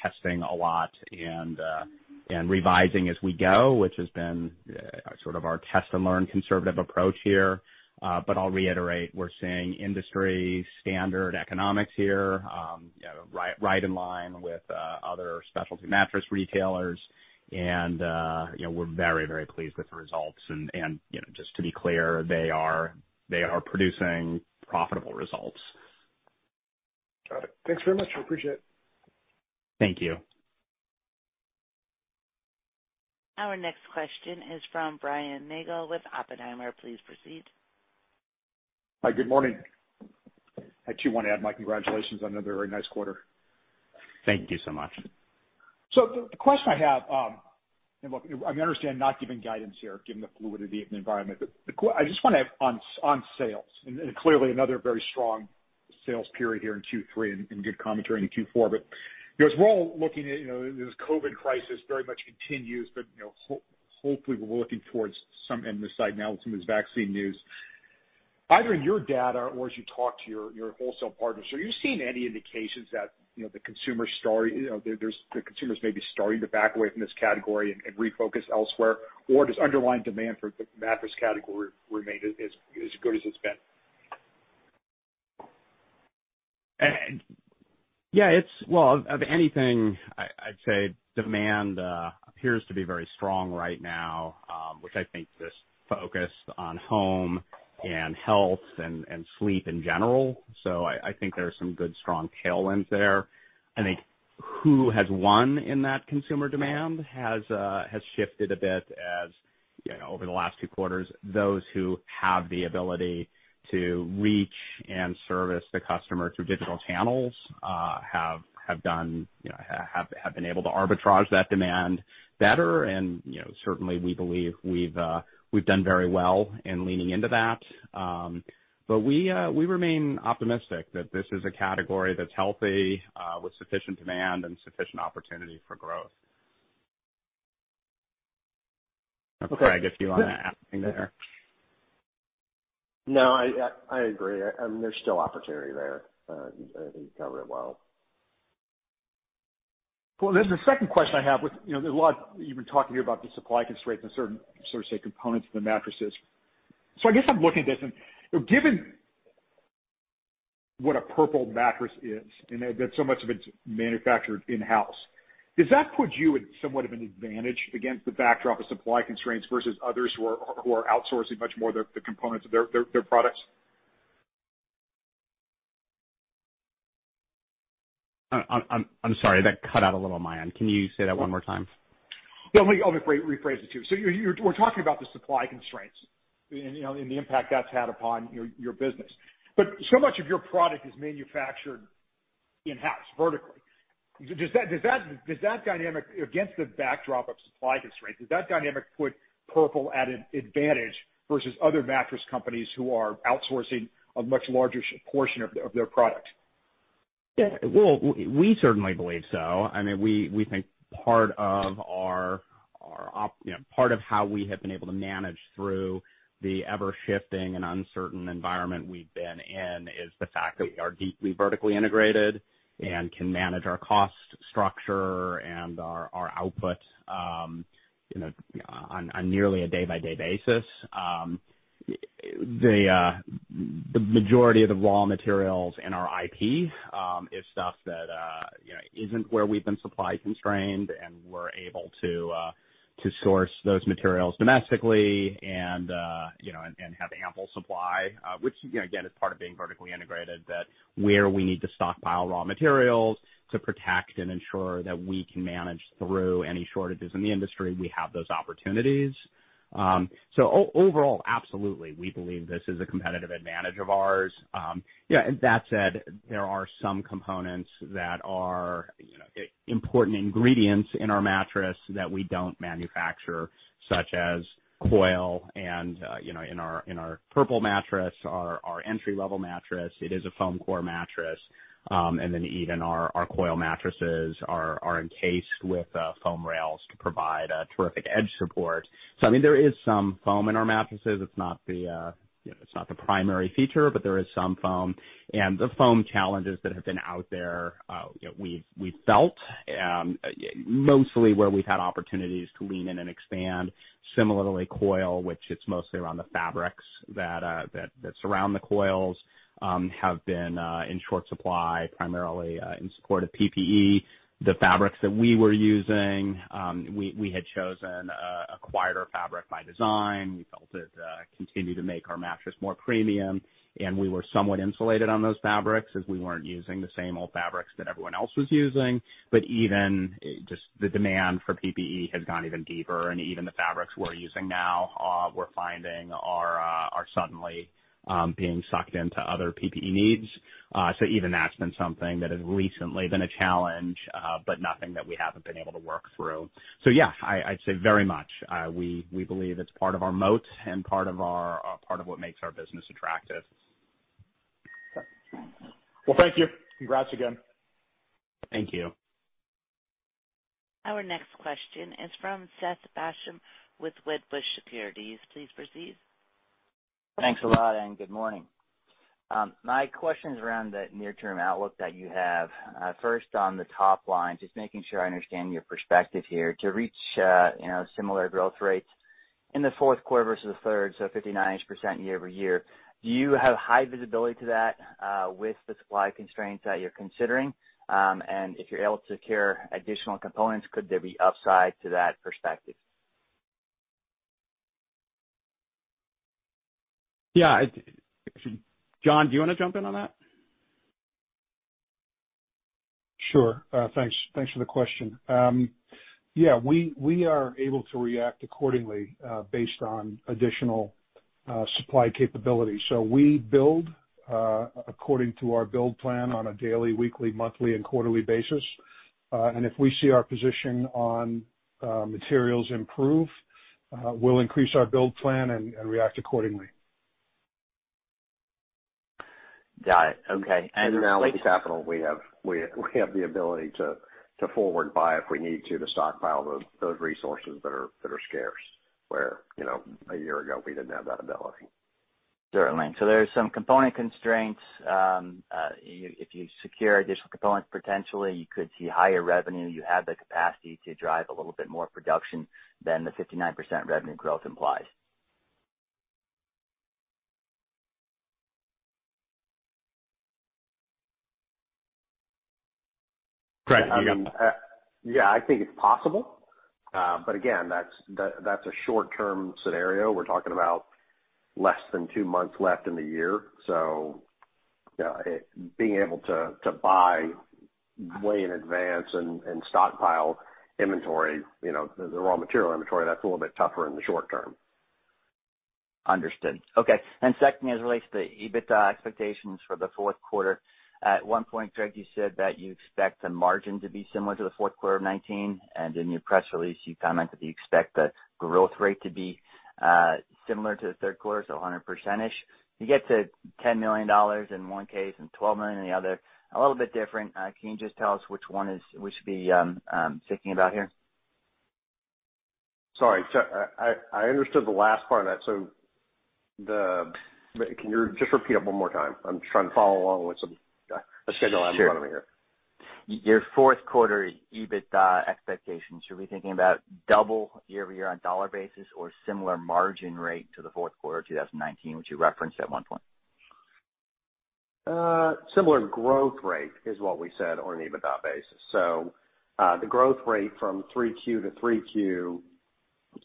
testing a lot and revising as we go, which has been sort of our test-and-learn conservative approach here. I'll reiterate, we're seeing industry-standard economics here, right in line with other specialty mattress retailers, and we're very pleased with the results. Just to be clear, they are producing profitable results. Got it. Thanks very much, appreciate it. Thank you. Our next question is from Brian Nagel with Oppenheimer. Please proceed. Hi, good morning. I too want to add my congratulations on another very nice quarter. Thank you so much. The question I have, and look, I understand not giving guidance here given the fluidity of the environment, but I just want to on sales, and clearly another very strong sales period here in Q3 and good commentary in Q4. As we're all looking at this COVID crisis very much continues, but hopefully we're looking towards some end in the sight now with some of this vaccine news. Either in your data or as you talk to your wholesale partners, are you seeing any indications that the consumers may be starting to back away from this category and refocus elsewhere? Does underlying demand for the mattress category remain as good as it's been? Yeah. Well, if anything, I'd say demand appears to be very strong right now, which I think this focus on home and health and sleep in general. I think there are some good strong tailwinds there. I think who has won in that consumer demand has shifted a bit as over the last two quarters. Those who have the ability to reach and service the customer through digital channels have been able to arbitrage that demand better, and certainly we believe we've done very well in leaning into that. We remain optimistic that this is a category that's healthy, with sufficient demand and sufficient opportunity for growth. Craig, if you want to add anything there. No, I agree. There is still opportunity there. You covered it well. Well, there's a second question I have with, there's a lot you've been talking here about the supply constraints and certain, sort of, say, components of the mattresses. I guess I'm looking at this and given what a Purple mattress is, and that so much of it's manufactured in-house, does that put you in somewhat of an advantage against the backdrop of supply constraints versus others who are outsourcing much more of the components of their products? I'm sorry, that cut out a little on my end. Can you say that one more time? Yeah. Let me rephrase it too. You were talking about the supply constraints and the impact that's had upon your business, but so much of your product is manufactured in-house vertically. Against the backdrop of supply constraints, does that dynamic put Purple at an advantage versus other mattress companies who are outsourcing a much larger portion of their product? Well, we certainly believe so. We think part of how we have been able to manage through the ever-shifting and uncertain environment we've been in is the fact that we are deeply vertically integrated and can manage our cost structure and our output on nearly a day-by-day basis. The majority of the raw materials in our IP is stuff that isn't where we've been supply constrained, and we're able to source those materials domestically and have ample supply, which, again, is part of being vertically integrated, that where we need to stockpile raw materials to protect and ensure that we can manage through any shortages in the industry, we have those opportunities. Overall, absolutely, we believe this is a competitive advantage of ours. Said, there are some components that are important ingredients in our mattress that we don't manufacture, such as coil and in our Purple mattress, our entry-level mattress, it is a foam core mattress. Even our coil mattresses are encased with foam rails to provide terrific edge support. There is some foam in our mattresses. It's not the primary feature, there is some foam. The foam challenges that have been out there, we've felt, mostly where we've had opportunities to lean in and expand. Similarly, coil, which it's mostly around the fabrics that surround the coils, have been in short supply, primarily in support of PPE. The fabrics that we were using, we had chosen a quieter fabric by design. We felt it continued to make our mattress more premium, and we were somewhat insulated on those fabrics as we weren't using the same old fabrics that everyone else was using. Even just the demand for PPE has gone even deeper, and even the fabrics we're using now, we're finding are suddenly being sucked into other PPE needs. Even that's been something that has recently been a challenge, but nothing that we haven't been able to work through. Yeah, I'd say very much. We believe it's part of our moat and part of what makes our business attractive. Well, thank you. Congrats again. Thank you. Our next question is from Seth Basham with Wedbush Securities. Please proceed. Thanks a lot, and good morning. My question's around the near-term outlook that you have. First, on the top line, just making sure I understand your perspective here. To reach similar growth rates in the fourth quarter versus the third, so 59%-ish year-over-year, do you have high visibility to that with the supply constraints that you're considering? If you're able to secure additional components, could there be upside to that perspective? Yeah. John, do you want to jump in on that? Sure. Thanks for the question. Yeah, we are able to react accordingly based on additional supply capability. We build according to our build plan on a daily, weekly, monthly, and quarterly basis. If we see our position on materials improve, we'll increase our build plan and react accordingly. Got it. Okay. Now with the capital, we have the ability to forward buy if we need to stockpile those resources that are scarce, where a year ago we didn't have that ability. Certainly. There's some component constraints. If you secure additional components, potentially you could see higher revenue. You have the capacity to drive a little bit more production than the 59% revenue growth implied. Craig, you got it. Yeah, I think it's possible. Again, that's a short-term scenario. We're talking about less than two months left in the year. Being able to buy way in advance and stockpile inventory, the raw material inventory, that's a little bit tougher in the short term. Understood. Okay. Second, as it relates to the EBITDA expectations for the fourth quarter. At one point, Craig, you said that you expect the margin to be similar to the fourth quarter of 2019, and in your press release, you commented that you expect the growth rate to be similar to the third quarter, so 100%-ish. You get to $10 million in one case and $12 million in the other, a little bit different. Can you just tell us which one we should be thinking about here? Sorry, I understood the last part of that. Can you just repeat it one more time? I'm trying to follow along with the schedule I have in front of me here. Sure. Your fourth quarter EBITDA expectations, should we be thinking about double year-over-year on dollar basis or similar margin rate to the fourth quarter 2019, which you referenced at one point? Similar growth rate is what we said on an EBITDA basis. The growth rate from 3Q to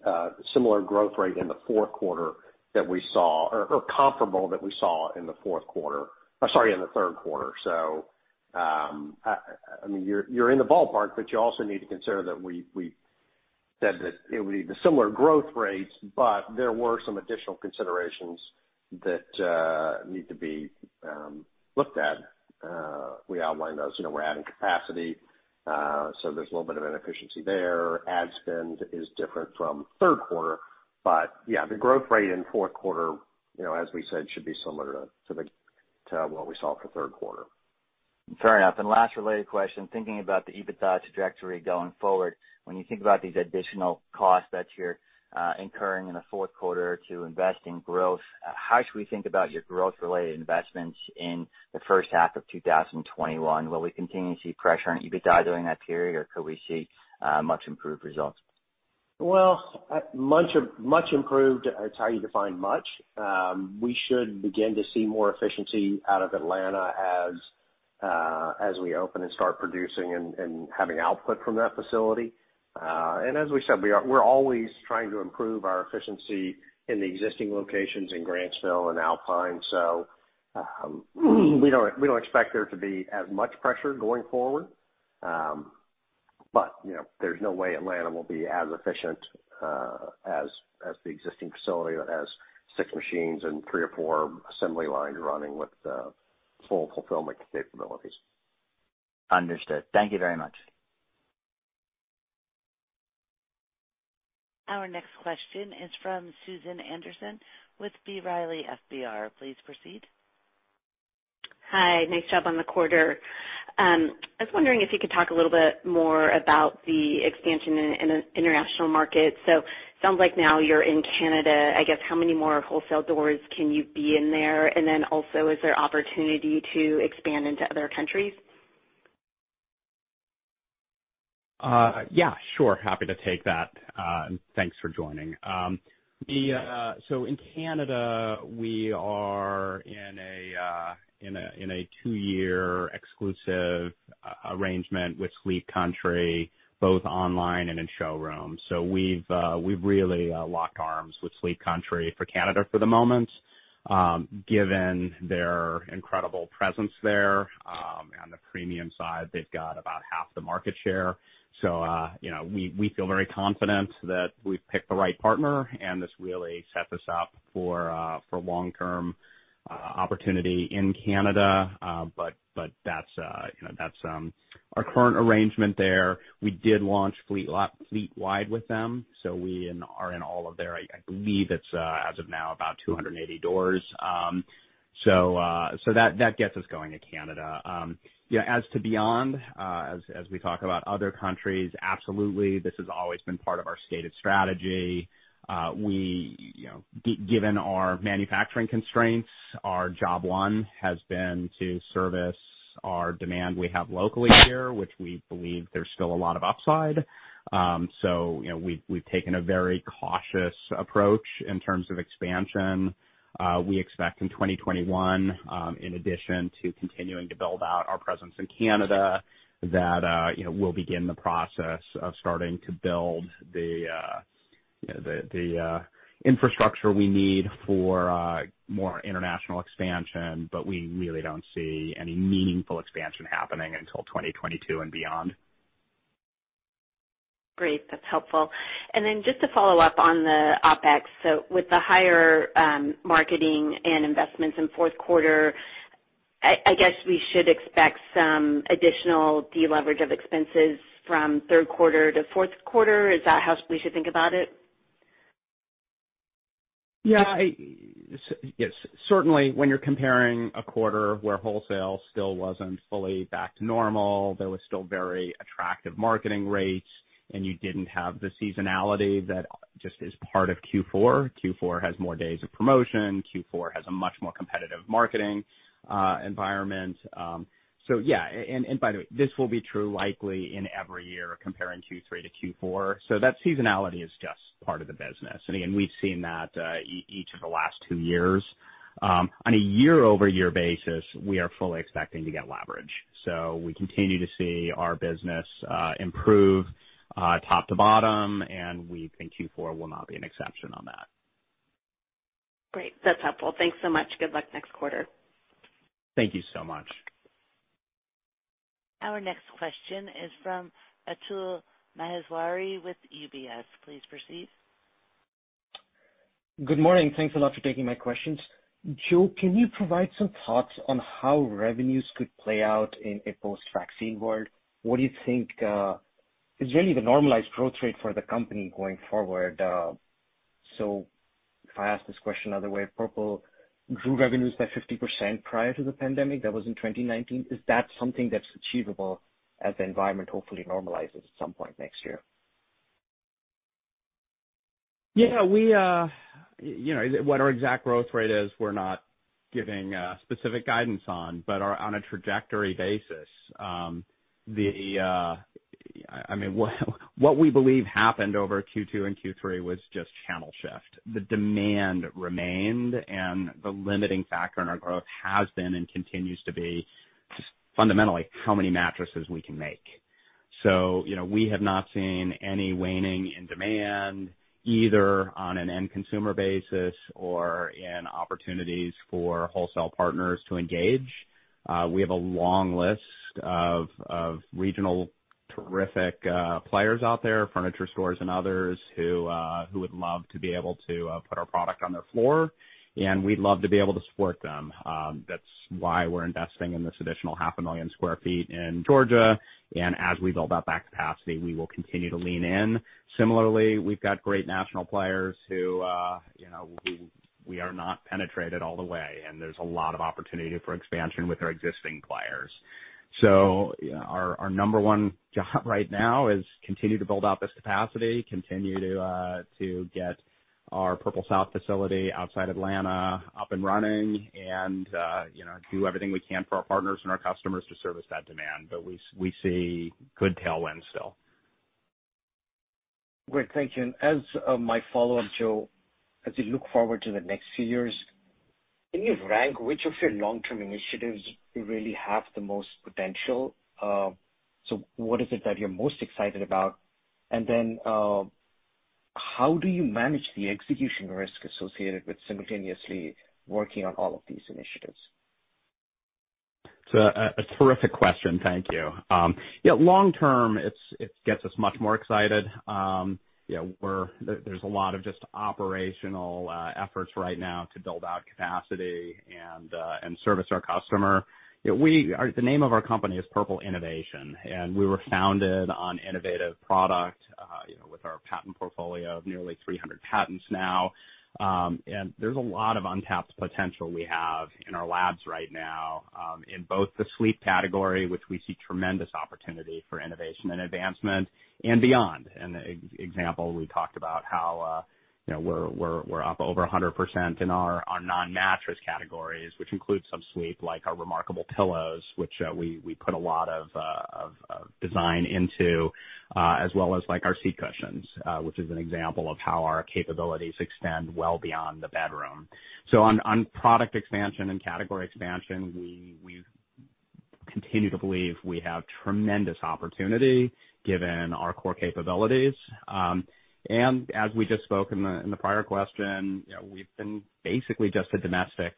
3Q, similar growth rate in the fourth quarter that we saw or comparable that we saw in the fourth quarter. Sorry, in the third quarter. You're in the ballpark, but you also need to consider that we said that it would be the similar growth rates, but there were some additional considerations that need to be looked at. We outlined those. We're adding capacity, so there's a little bit of inefficiency there. Ad spend is different from the third quarter, but yeah, the growth rate in the fourth quarter, as we said, should be similar to what we saw for the third quarter. Fair enough. Last related question, thinking about the EBITDA trajectory going forward, when you think about these additional costs that you're incurring in the fourth quarter to invest in growth, how should we think about your growth-related investments in the first half of 2021? Will we continue to see pressure on EBITDA during that period, or could we see much improved results? Well, much improved. It's how you define much. We should begin to see more efficiency out of Atlanta as we open and start producing and having output from that facility. As we said, we're always trying to improve our efficiency in the existing locations in Grantsville and Alpine. We don't expect there to be as much pressure going forward. There's no way Atlanta will be as efficient as the existing facility that has six machines and three or four assembly lines running with full fulfillment capabilities. Understood. Thank you very much. Our next question is from Susan Anderson with B. Riley FBR. Please proceed. Hi. Nice job on the quarter. I was wondering if you could talk a little bit more about the expansion in the international market. Sounds like now you're in Canada. I guess how many more wholesale doors can you be in there? Also, is there opportunity to expand into other countries? Yeah, sure. Happy to take that. Thanks for joining. In Canada, we are in a two-year exclusive arrangement with Sleep Country, both online and in showrooms. We've really locked arms with Sleep Country for Canada for the moment, given their incredible presence there. On the premium side, they've got about half the market share. We feel very confident that we've picked the right partner, and this really set us up for long-term opportunity in Canada. That's our current arrangement there. We did launch fleetwide with them. We are in all of their, I believe it's as of now, about 280 doors. That gets us going to Canada. As to beyond, as we talk about other countries, absolutely, this has always been part of our stated strategy. Given our manufacturing constraints, our job one has been to service our demand we have locally here, which we believe there's still a lot of upside. We've taken a very cautious approach in terms of expansion. We expect in 2021, in addition to continuing to build out our presence in Canada, that we'll begin the process of starting to build the infrastructure we need for more international expansion, but we really don't see any meaningful expansion happening until 2022 and beyond. Great. That's helpful. Just to follow up on the OpEx, with the higher marketing and investments in the fourth quarter, I guess we should expect some additional deleverage of expenses from the third quarter to fourth quarter. Is that how we should think about it? Certainly, when you're comparing a quarter where wholesale still wasn't fully back to normal, there was still very attractive marketing rates, and you didn't have the seasonality that just is part of Q4. Q4 has more days of promotion. Q4 has a much more competitive marketing environment. By the way, this will be true likely in every year, comparing Q3 to Q4. That seasonality is just part of the business. Again, we've seen that each of the last two years. On a year-over-year basis, we are fully expecting to get leverage. We continue to see our business improve top to bottom, and we think Q4 will not be an exception on that. Great. That's helpful. Thanks so much. Good luck next quarter. Thank you so much. Our next question is from Atul Maheshwari with UBS. Please proceed. Good morning. Thanks a lot for taking my questions. Joe, can you provide some thoughts on how revenues could play out in a post-vaccine world? What do you think is really the normalized growth rate for the company going forward? If I ask this question another way, Purple grew revenues by 50% prior to the pandemic. That was in 2019. Is that something that's achievable as the environment hopefully normalizes at some point next year? What our exact growth rate is, we're not giving specific guidance on, but on a trajectory basis, what we believe happened over Q2 and Q3 was just channel shift. The demand remained, and the limiting factor in our growth has been, and continues to be, just fundamentally how many mattresses we can make. We have not seen any waning in demand, either on an end consumer basis or in opportunities for wholesale partners to engage. We have a long list of regional terrific players out there, furniture stores and others, who would love to be able to put our product on their floor, and we'd love to be able to support them. That's why we're investing in this additional 500,000 sq ft in Georgia, and as we build out that capacity, we will continue to lean in. Similarly, we've got great national players who we are not penetrated all the way, and there's a lot of opportunity for expansion with our existing players. Our number one job right now is continue to build out this capacity, continue to get our Purple South facility outside Atlanta up and running, and do everything we can for our partners and our customers to service that demand. We see good tailwinds still. Great, thank you. As my follow-up, Joe, as you look forward to the next few years, can you rank which of your long-term initiatives really have the most potential? What is it that you're most excited about? How do you manage the execution risk associated with simultaneously working on all of these initiatives? It's a terrific question. Thank you. Long term, it gets us much more excited. There's a lot of just operational efforts right now to build out capacity and service our customer. The name of our company is Purple Innovation, and we were founded on innovative product, with our patent portfolio of nearly 300 patents now. There's a lot of untapped potential we have in our labs right now, in both the sleep category, which we see tremendous opportunity for innovation and advancement, and beyond. An example, we talked about how we're up over 100% in our non-mattress categories, which includes some sleep, like our remarkable pillows, which we put a lot of design into, as well as our seat cushions, which is an example of how our capabilities extend well beyond the bedroom. On product expansion and category expansion, we continue to believe we have tremendous opportunity given our core capabilities. As we just spoke in the prior question, we've been basically just a domestic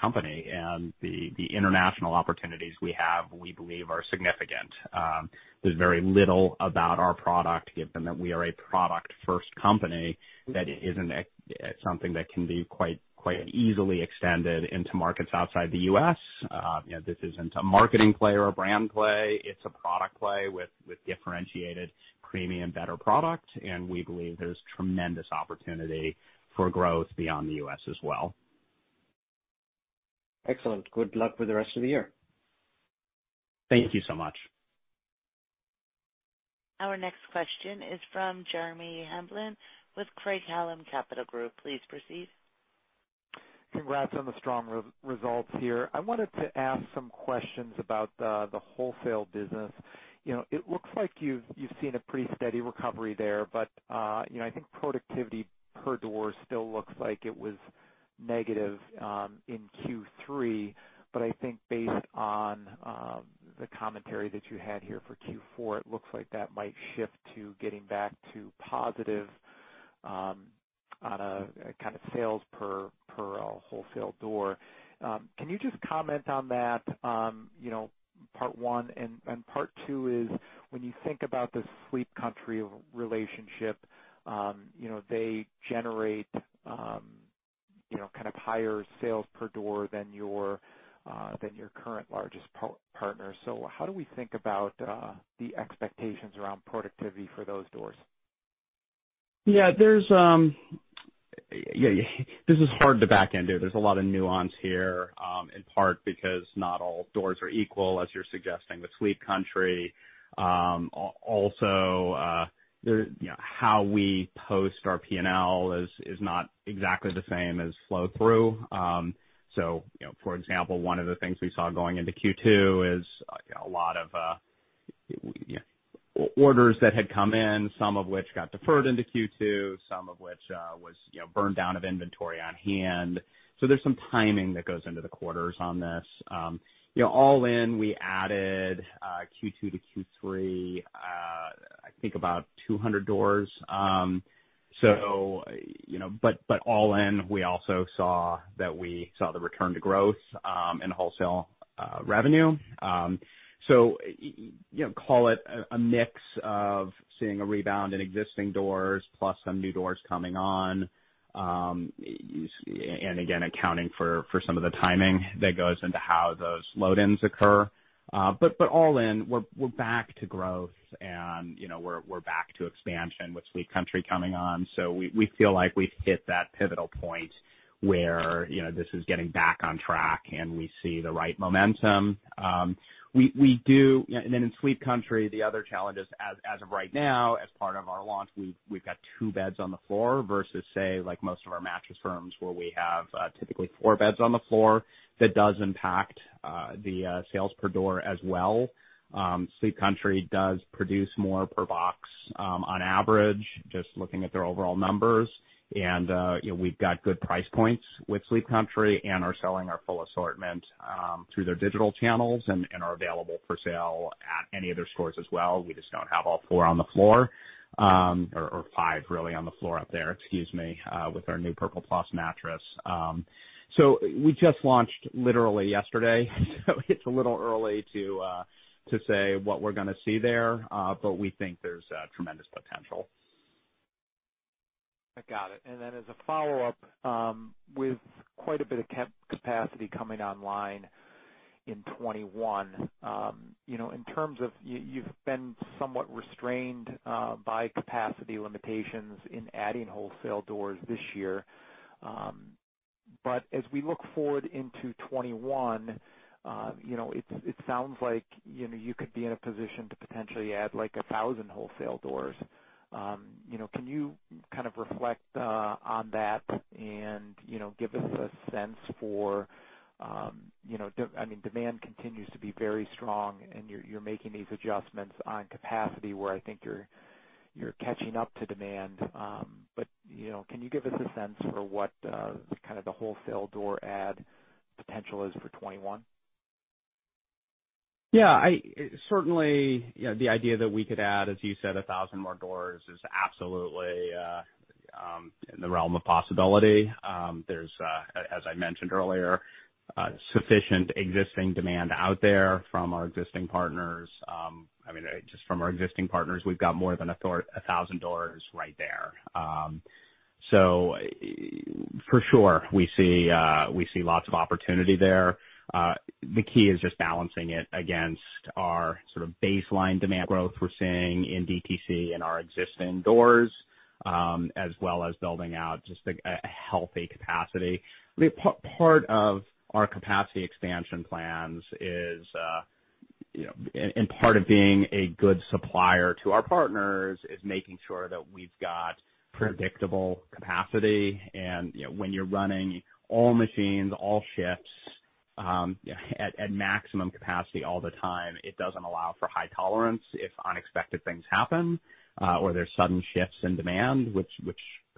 company, and the international opportunities we have, we believe are significant. There's very little about our product, given that we are a product-first company, that isn't something that can be quite easily extended into markets outside the U.S. This isn't a marketing play or a brand play. It's a product play with differentiated premium better product, and we believe there's tremendous opportunity for growth beyond the U.S. as well. Excellent. Good luck with the rest of the year. Thank you so much. Our next question is from Jeremy Hamblin with Craig-Hallum Capital Group. Please proceed. Congrats on the strong results here. I wanted to ask some questions about the wholesale business. It looks like you've seen a pretty steady recovery there, but I think productivity per door still looks like it was negative in Q3. I think based on the commentary that you had here for Q4, it looks like that might shift to getting back to positive on a kind of sales per wholesale door. Can you just comment on that, part one? Part two is, when you think about the Sleep Country relationship, they generate kind of higher sales per door than your current largest partner. How do we think about the expectations around productivity for those doors? Yeah. This is hard to back-end here. There's a lot of nuance here, in part because not all doors are equal, as you're suggesting, with Sleep Country. How we post our P&L is not exactly the same as flow-through. For example, one of the things we saw going into Q2 is a lot of orders that had come in, some of which got deferred into Q2, some of which was burn down of inventory on hand. There's some timing that goes into the quarters on this. All in, we added Q2 to Q3, I think about 200 doors. All in, we also saw the return to growth in wholesale revenue. Call it a mix of seeing a rebound in existing doors plus some new doors coming on. Again, accounting for some of the timing that goes into how those load-ins occur. All in, we're back to growth, and we're back to expansion with Sleep Country coming on. We feel like we've hit that pivotal point where this is getting back on track, and we see the right momentum. In Sleep Country, the other challenge is, as of right now, as part of our launch, we've got two beds on the floor versus say, like most of our Mattress Firm where we have typically four beds on the floor. That does impact the sales per door as well. Sleep Country does produce more per box on average, just looking at their overall numbers. We've got good price points with Sleep Country and are selling our full assortment through their digital channels and are available for sale at any of their stores as well. We just don't have all four on the floor, or five really on the floor up there, excuse me, with our new Purple Plus mattress. We just launched literally yesterday, so it's a little early to say what we're going to see there. We think there's tremendous potential. I got it. Then as a follow-up, with quite a bit of capacity coming online in 2021, in terms of, you've been somewhat restrained by capacity limitations in adding wholesale doors this year. As we look forward into 2021, it sounds like you could be in a position to potentially add 1,000 wholesale doors. Can you kind of reflect on that and give us a sense for demand continues to be very strong, and you're making these adjustments on capacity where I think you're catching up to demand. Can you give us a sense for what the wholesale door add potential is for 2021? Yeah. Certainly, the idea that we could add, as you said, 1,000 more doors is absolutely in the realm of possibility. There's, as I mentioned earlier, sufficient existing demand out there from our existing partners. Just from our existing partners, we've got more than 1,000 doors right there. For sure, we see lots of opportunity there. The key is just balancing it against our sort of baseline demand growth we're seeing in DTC and our existing doors, as well as building out just a healthy capacity. Part of our capacity expansion plans and part of being a good supplier to our partners, is making sure that we've got predictable capacity. When you're running all machines, all shifts, at maximum capacity all the time, it doesn't allow for high tolerance if unexpected things happen, or there's sudden shifts in demand, which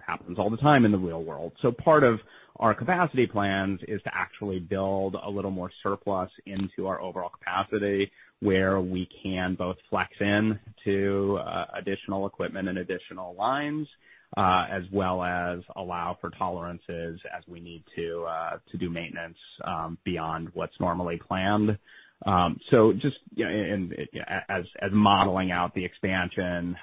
happens all the time in the real world. Part of our capacity plans is to actually build a little more surplus into our overall capacity, where we can both flex in to additional equipment and additional lines, as well as allow for tolerances as we need to do maintenance beyond what's normally planned. As modeling out the expansion,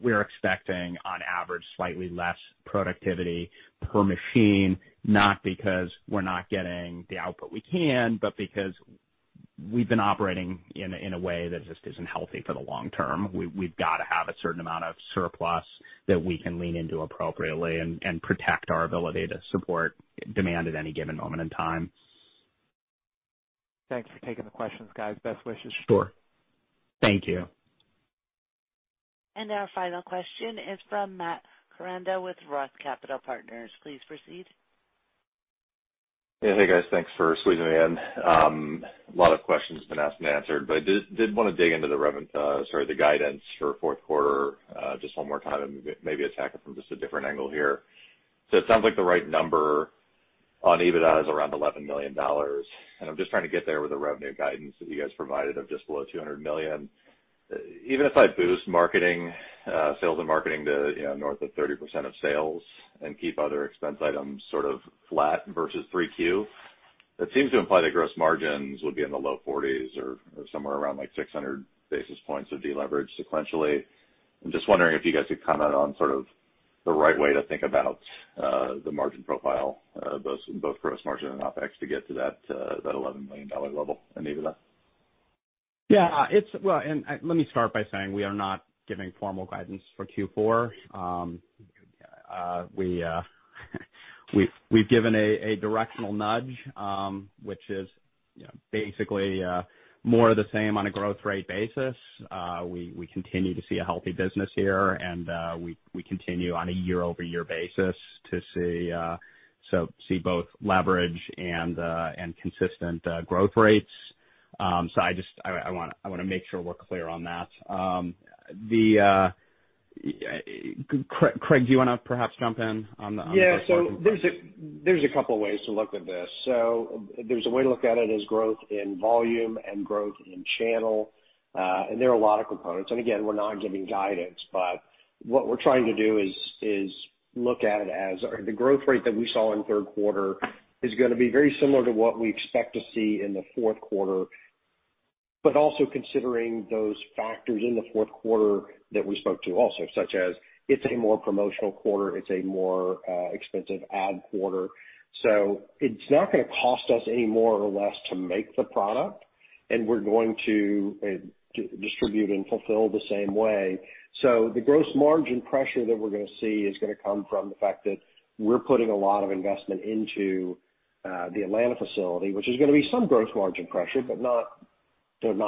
we're expecting, on average, slightly less productivity per machine, not because we're not getting the output we can, but because we've been operating in a way that just isn't healthy for the long term. We've got to have a certain amount of surplus that we can lean into appropriately and protect our ability to support demand at any given moment in time. Thanks for taking the questions, guys. Best wishes. Sure. Thank you. Our final question is from Matt Koranda with ROTH Capital Partners. Please proceed. Yeah. Hey, guys. Thanks for squeezing me in. A lot of questions have been asked and answered, but I did want to dig into the guidance for fourth quarter just one more time, and maybe attack it from just a different angle here. It sounds like the right number on EBITDA is around $11 million. I'm just trying to get there with the revenue guidance that you guys provided of just below $200 million. Even if I boost sales and marketing to north of 30% of sales and keep other expense items sort of flat versus 3Q, that seems to imply that gross margins would be in the low 40s% or somewhere around 600 basis points of deleverage sequentially. I'm just wondering if you guys could comment on sort of the right way to think about the margin profile, both gross margin and OpEx, to get to that $11 million level in EBITDA. Well, let me start by saying we are not giving formal guidance for Q4. We've given a directional nudge, which is basically more of the same on a growth rate basis. We continue to see a healthy business here, and we continue on a year-over-year basis to see both leverage and consistent growth rates. I want to make sure we're clear on that. Craig, do you want to perhaps jump in on the gross margin front? Yeah. There's a couple of ways to look at this. There's a way to look at it as growth in volume and growth in channel. There are a lot of components. Again, we're not giving guidance, but what we're trying to do is look at it as the growth rate that we saw in the third quarter is going to be very similar to what we expect to see in the fourth quarter. Also considering those factors in the fourth quarter that we spoke to also, such as it's a more promotional quarter, it's a more expensive ad quarter. It's not going to cost us any more or less to make the product, and we're going to distribute and fulfill the same way. The gross margin pressure that we're going to see is going to come from the fact that we're putting a lot of investment into the Atlanta facility, which is going to be some gross margin pressure, but not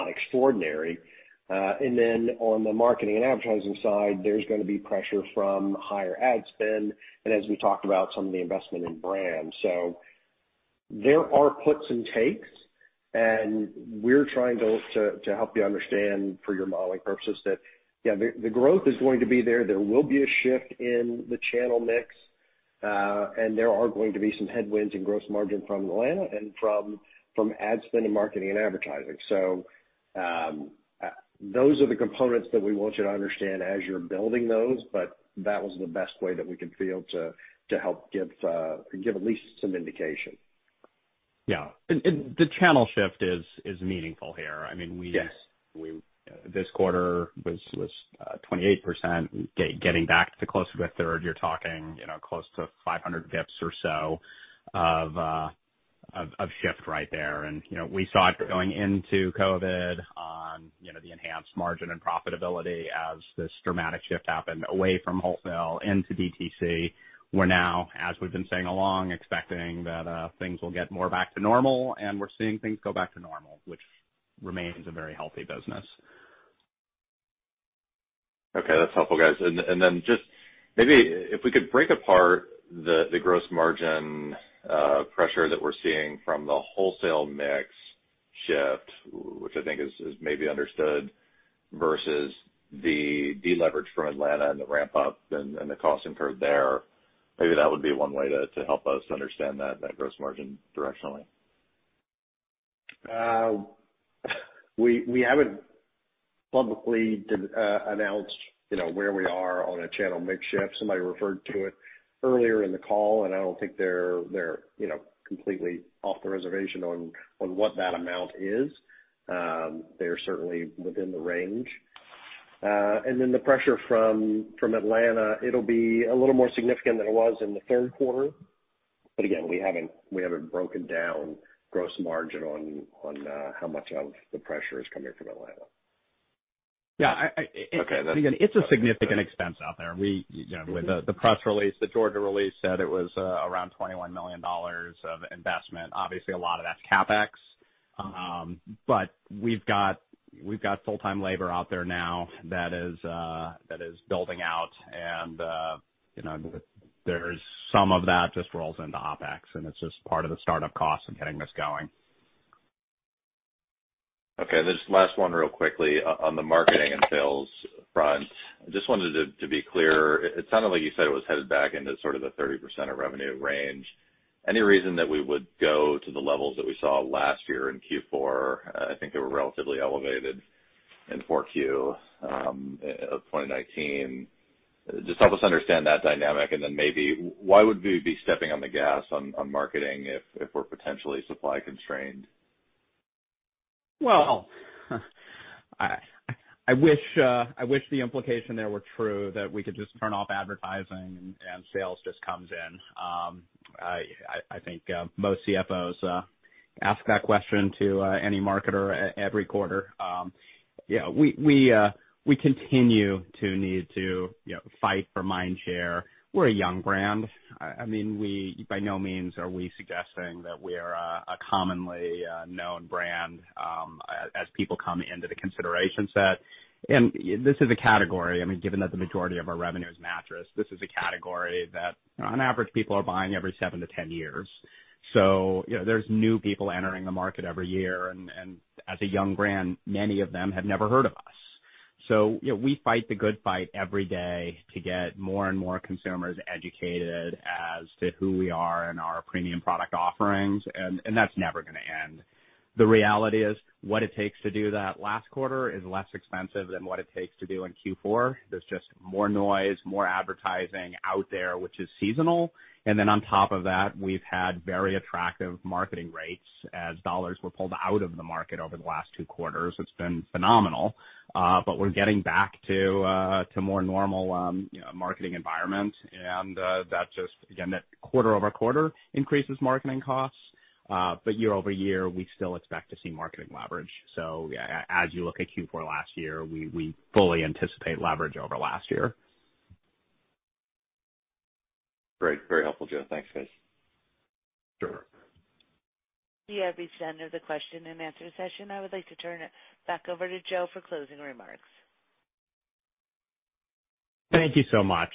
extraordinary. Then on the marketing and advertising side, there's going to be pressure from higher ad spend and as we talked about, some of the investment in brand. There are puts and takes, and we're trying to help you understand for your modeling purposes that, yeah, the growth is going to be there. There will be a shift in the channel mix, and there are going to be some headwinds in gross margin from Atlanta and from ad spend in marketing and advertising. Those are the components that we want you to understand as you're building those, but that was the best way that we could feel to help give at least some indication. Yeah. The channel shift is meaningful here. Yes. This quarter was 28%, getting back to close to a third. You're talking close to 500 basis points or so of shift right there. We saw it going into COVID on the enhanced margin and profitability as this dramatic shift happened away from wholesale into DTC. We're now, as we've been saying along, expecting that things will get more back to normal, and we're seeing things go back to normal, which remains a very healthy business. Okay, that's helpful, guys. Then just maybe if we could break apart the gross margin pressure that we're seeing from the wholesale mix shift, which I think is maybe understood, versus the deleverage from Atlanta and the ramp up and the cost incurred there. Maybe that would be one way to help us understand that gross margin directionally. We haven't publicly announced where we are on a channel mix shift. Somebody referred to it earlier in the call, and I don't think they're completely off the reservation on what that amount is. They're certainly within the range. The pressure from Atlanta, it'll be a little more significant than it was in the third quarter, but again, we haven't broken down gross margin on how much of the pressure is coming from Atlanta. Yeah. Okay. It's a significant expense out there. The press release, the Georgia release said it was around $21 million of investment. Obviously, a lot of that's CapEx. We've got full-time labor out there now that is building out and there's some of that just rolls into OpEx, and it's just part of the startup cost of getting this going. Just last one real quickly. On the marketing and sales front, I just wanted to be clear. It sounded like you said it was headed back into sort of the 30% of revenue range. Any reason that we would go to the levels that we saw last year in Q4? I think they were relatively elevated in 4Q of 2019. Just help us understand that dynamic, and then maybe why would we be stepping on the gas on marketing if we're potentially supply constrained? Well, I wish the implication there were true, that we could just turn off advertising and sales just comes in. I think most CFOs ask that question to any marketer every quarter. We continue to need to fight for mind share. We're a young brand. By no means are we suggesting that we are a commonly known brand as people come into the consideration set. This is a category, given that the majority of our revenue is mattress, this is a category that on average, people are buying every seven to 10 years. There's new people entering the market every year, and as a young brand, many of them have never heard of us. We fight the good fight every day to get more and more consumers educated as to who we are and our premium product offerings, and that's never gonna end. The reality is what it takes to do that last quarter is less expensive than what it takes to do in Q4. There's just more noise, more advertising out there, which is seasonal. On top of that, we've had very attractive marketing rates as dollars were pulled out of the market over the last two quarters. It's been phenomenal. We're getting back to more normal marketing environment, that just again, that quarter-over-quarter increases marketing costs. Year-over-year, we still expect to see marketing leverage. As you look at Q4 last year, we fully anticipate leverage over last year. Great. Very helpful, Joe. Thanks, guys. Sure. We have reached the end of the question and answer session. I would like to turn it back over to Joe for closing remarks. Thank you so much.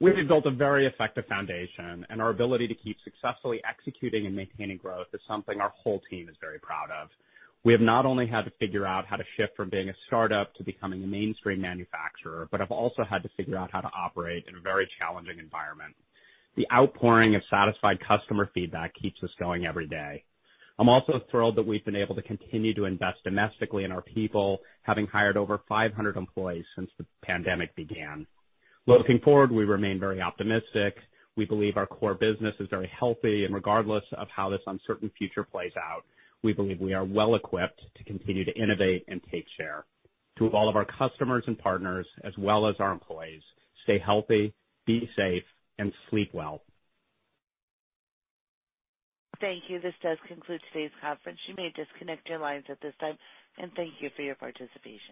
We have built a very effective foundation, and our ability to keep successfully executing and maintaining growth is something our whole team is very proud of. We have not only had to figure out how to shift from being a startup to becoming a mainstream manufacturer, but have also had to figure out how to operate in a very challenging environment. The outpouring of satisfied customer feedback keeps us going every day. I'm also thrilled that we've been able to continue to invest domestically in our people, having hired over 500 employees since the pandemic began. Looking forward, we remain very optimistic. We believe our core business is very healthy, and regardless of how this uncertain future plays out, we believe we are well equipped to continue to innovate and take share. To all of our customers and partners, as well as our employees, stay healthy, be safe, and sleep well. Thank you. This does conclude today's conference. You may disconnect your lines at this time, and thank you for your participation.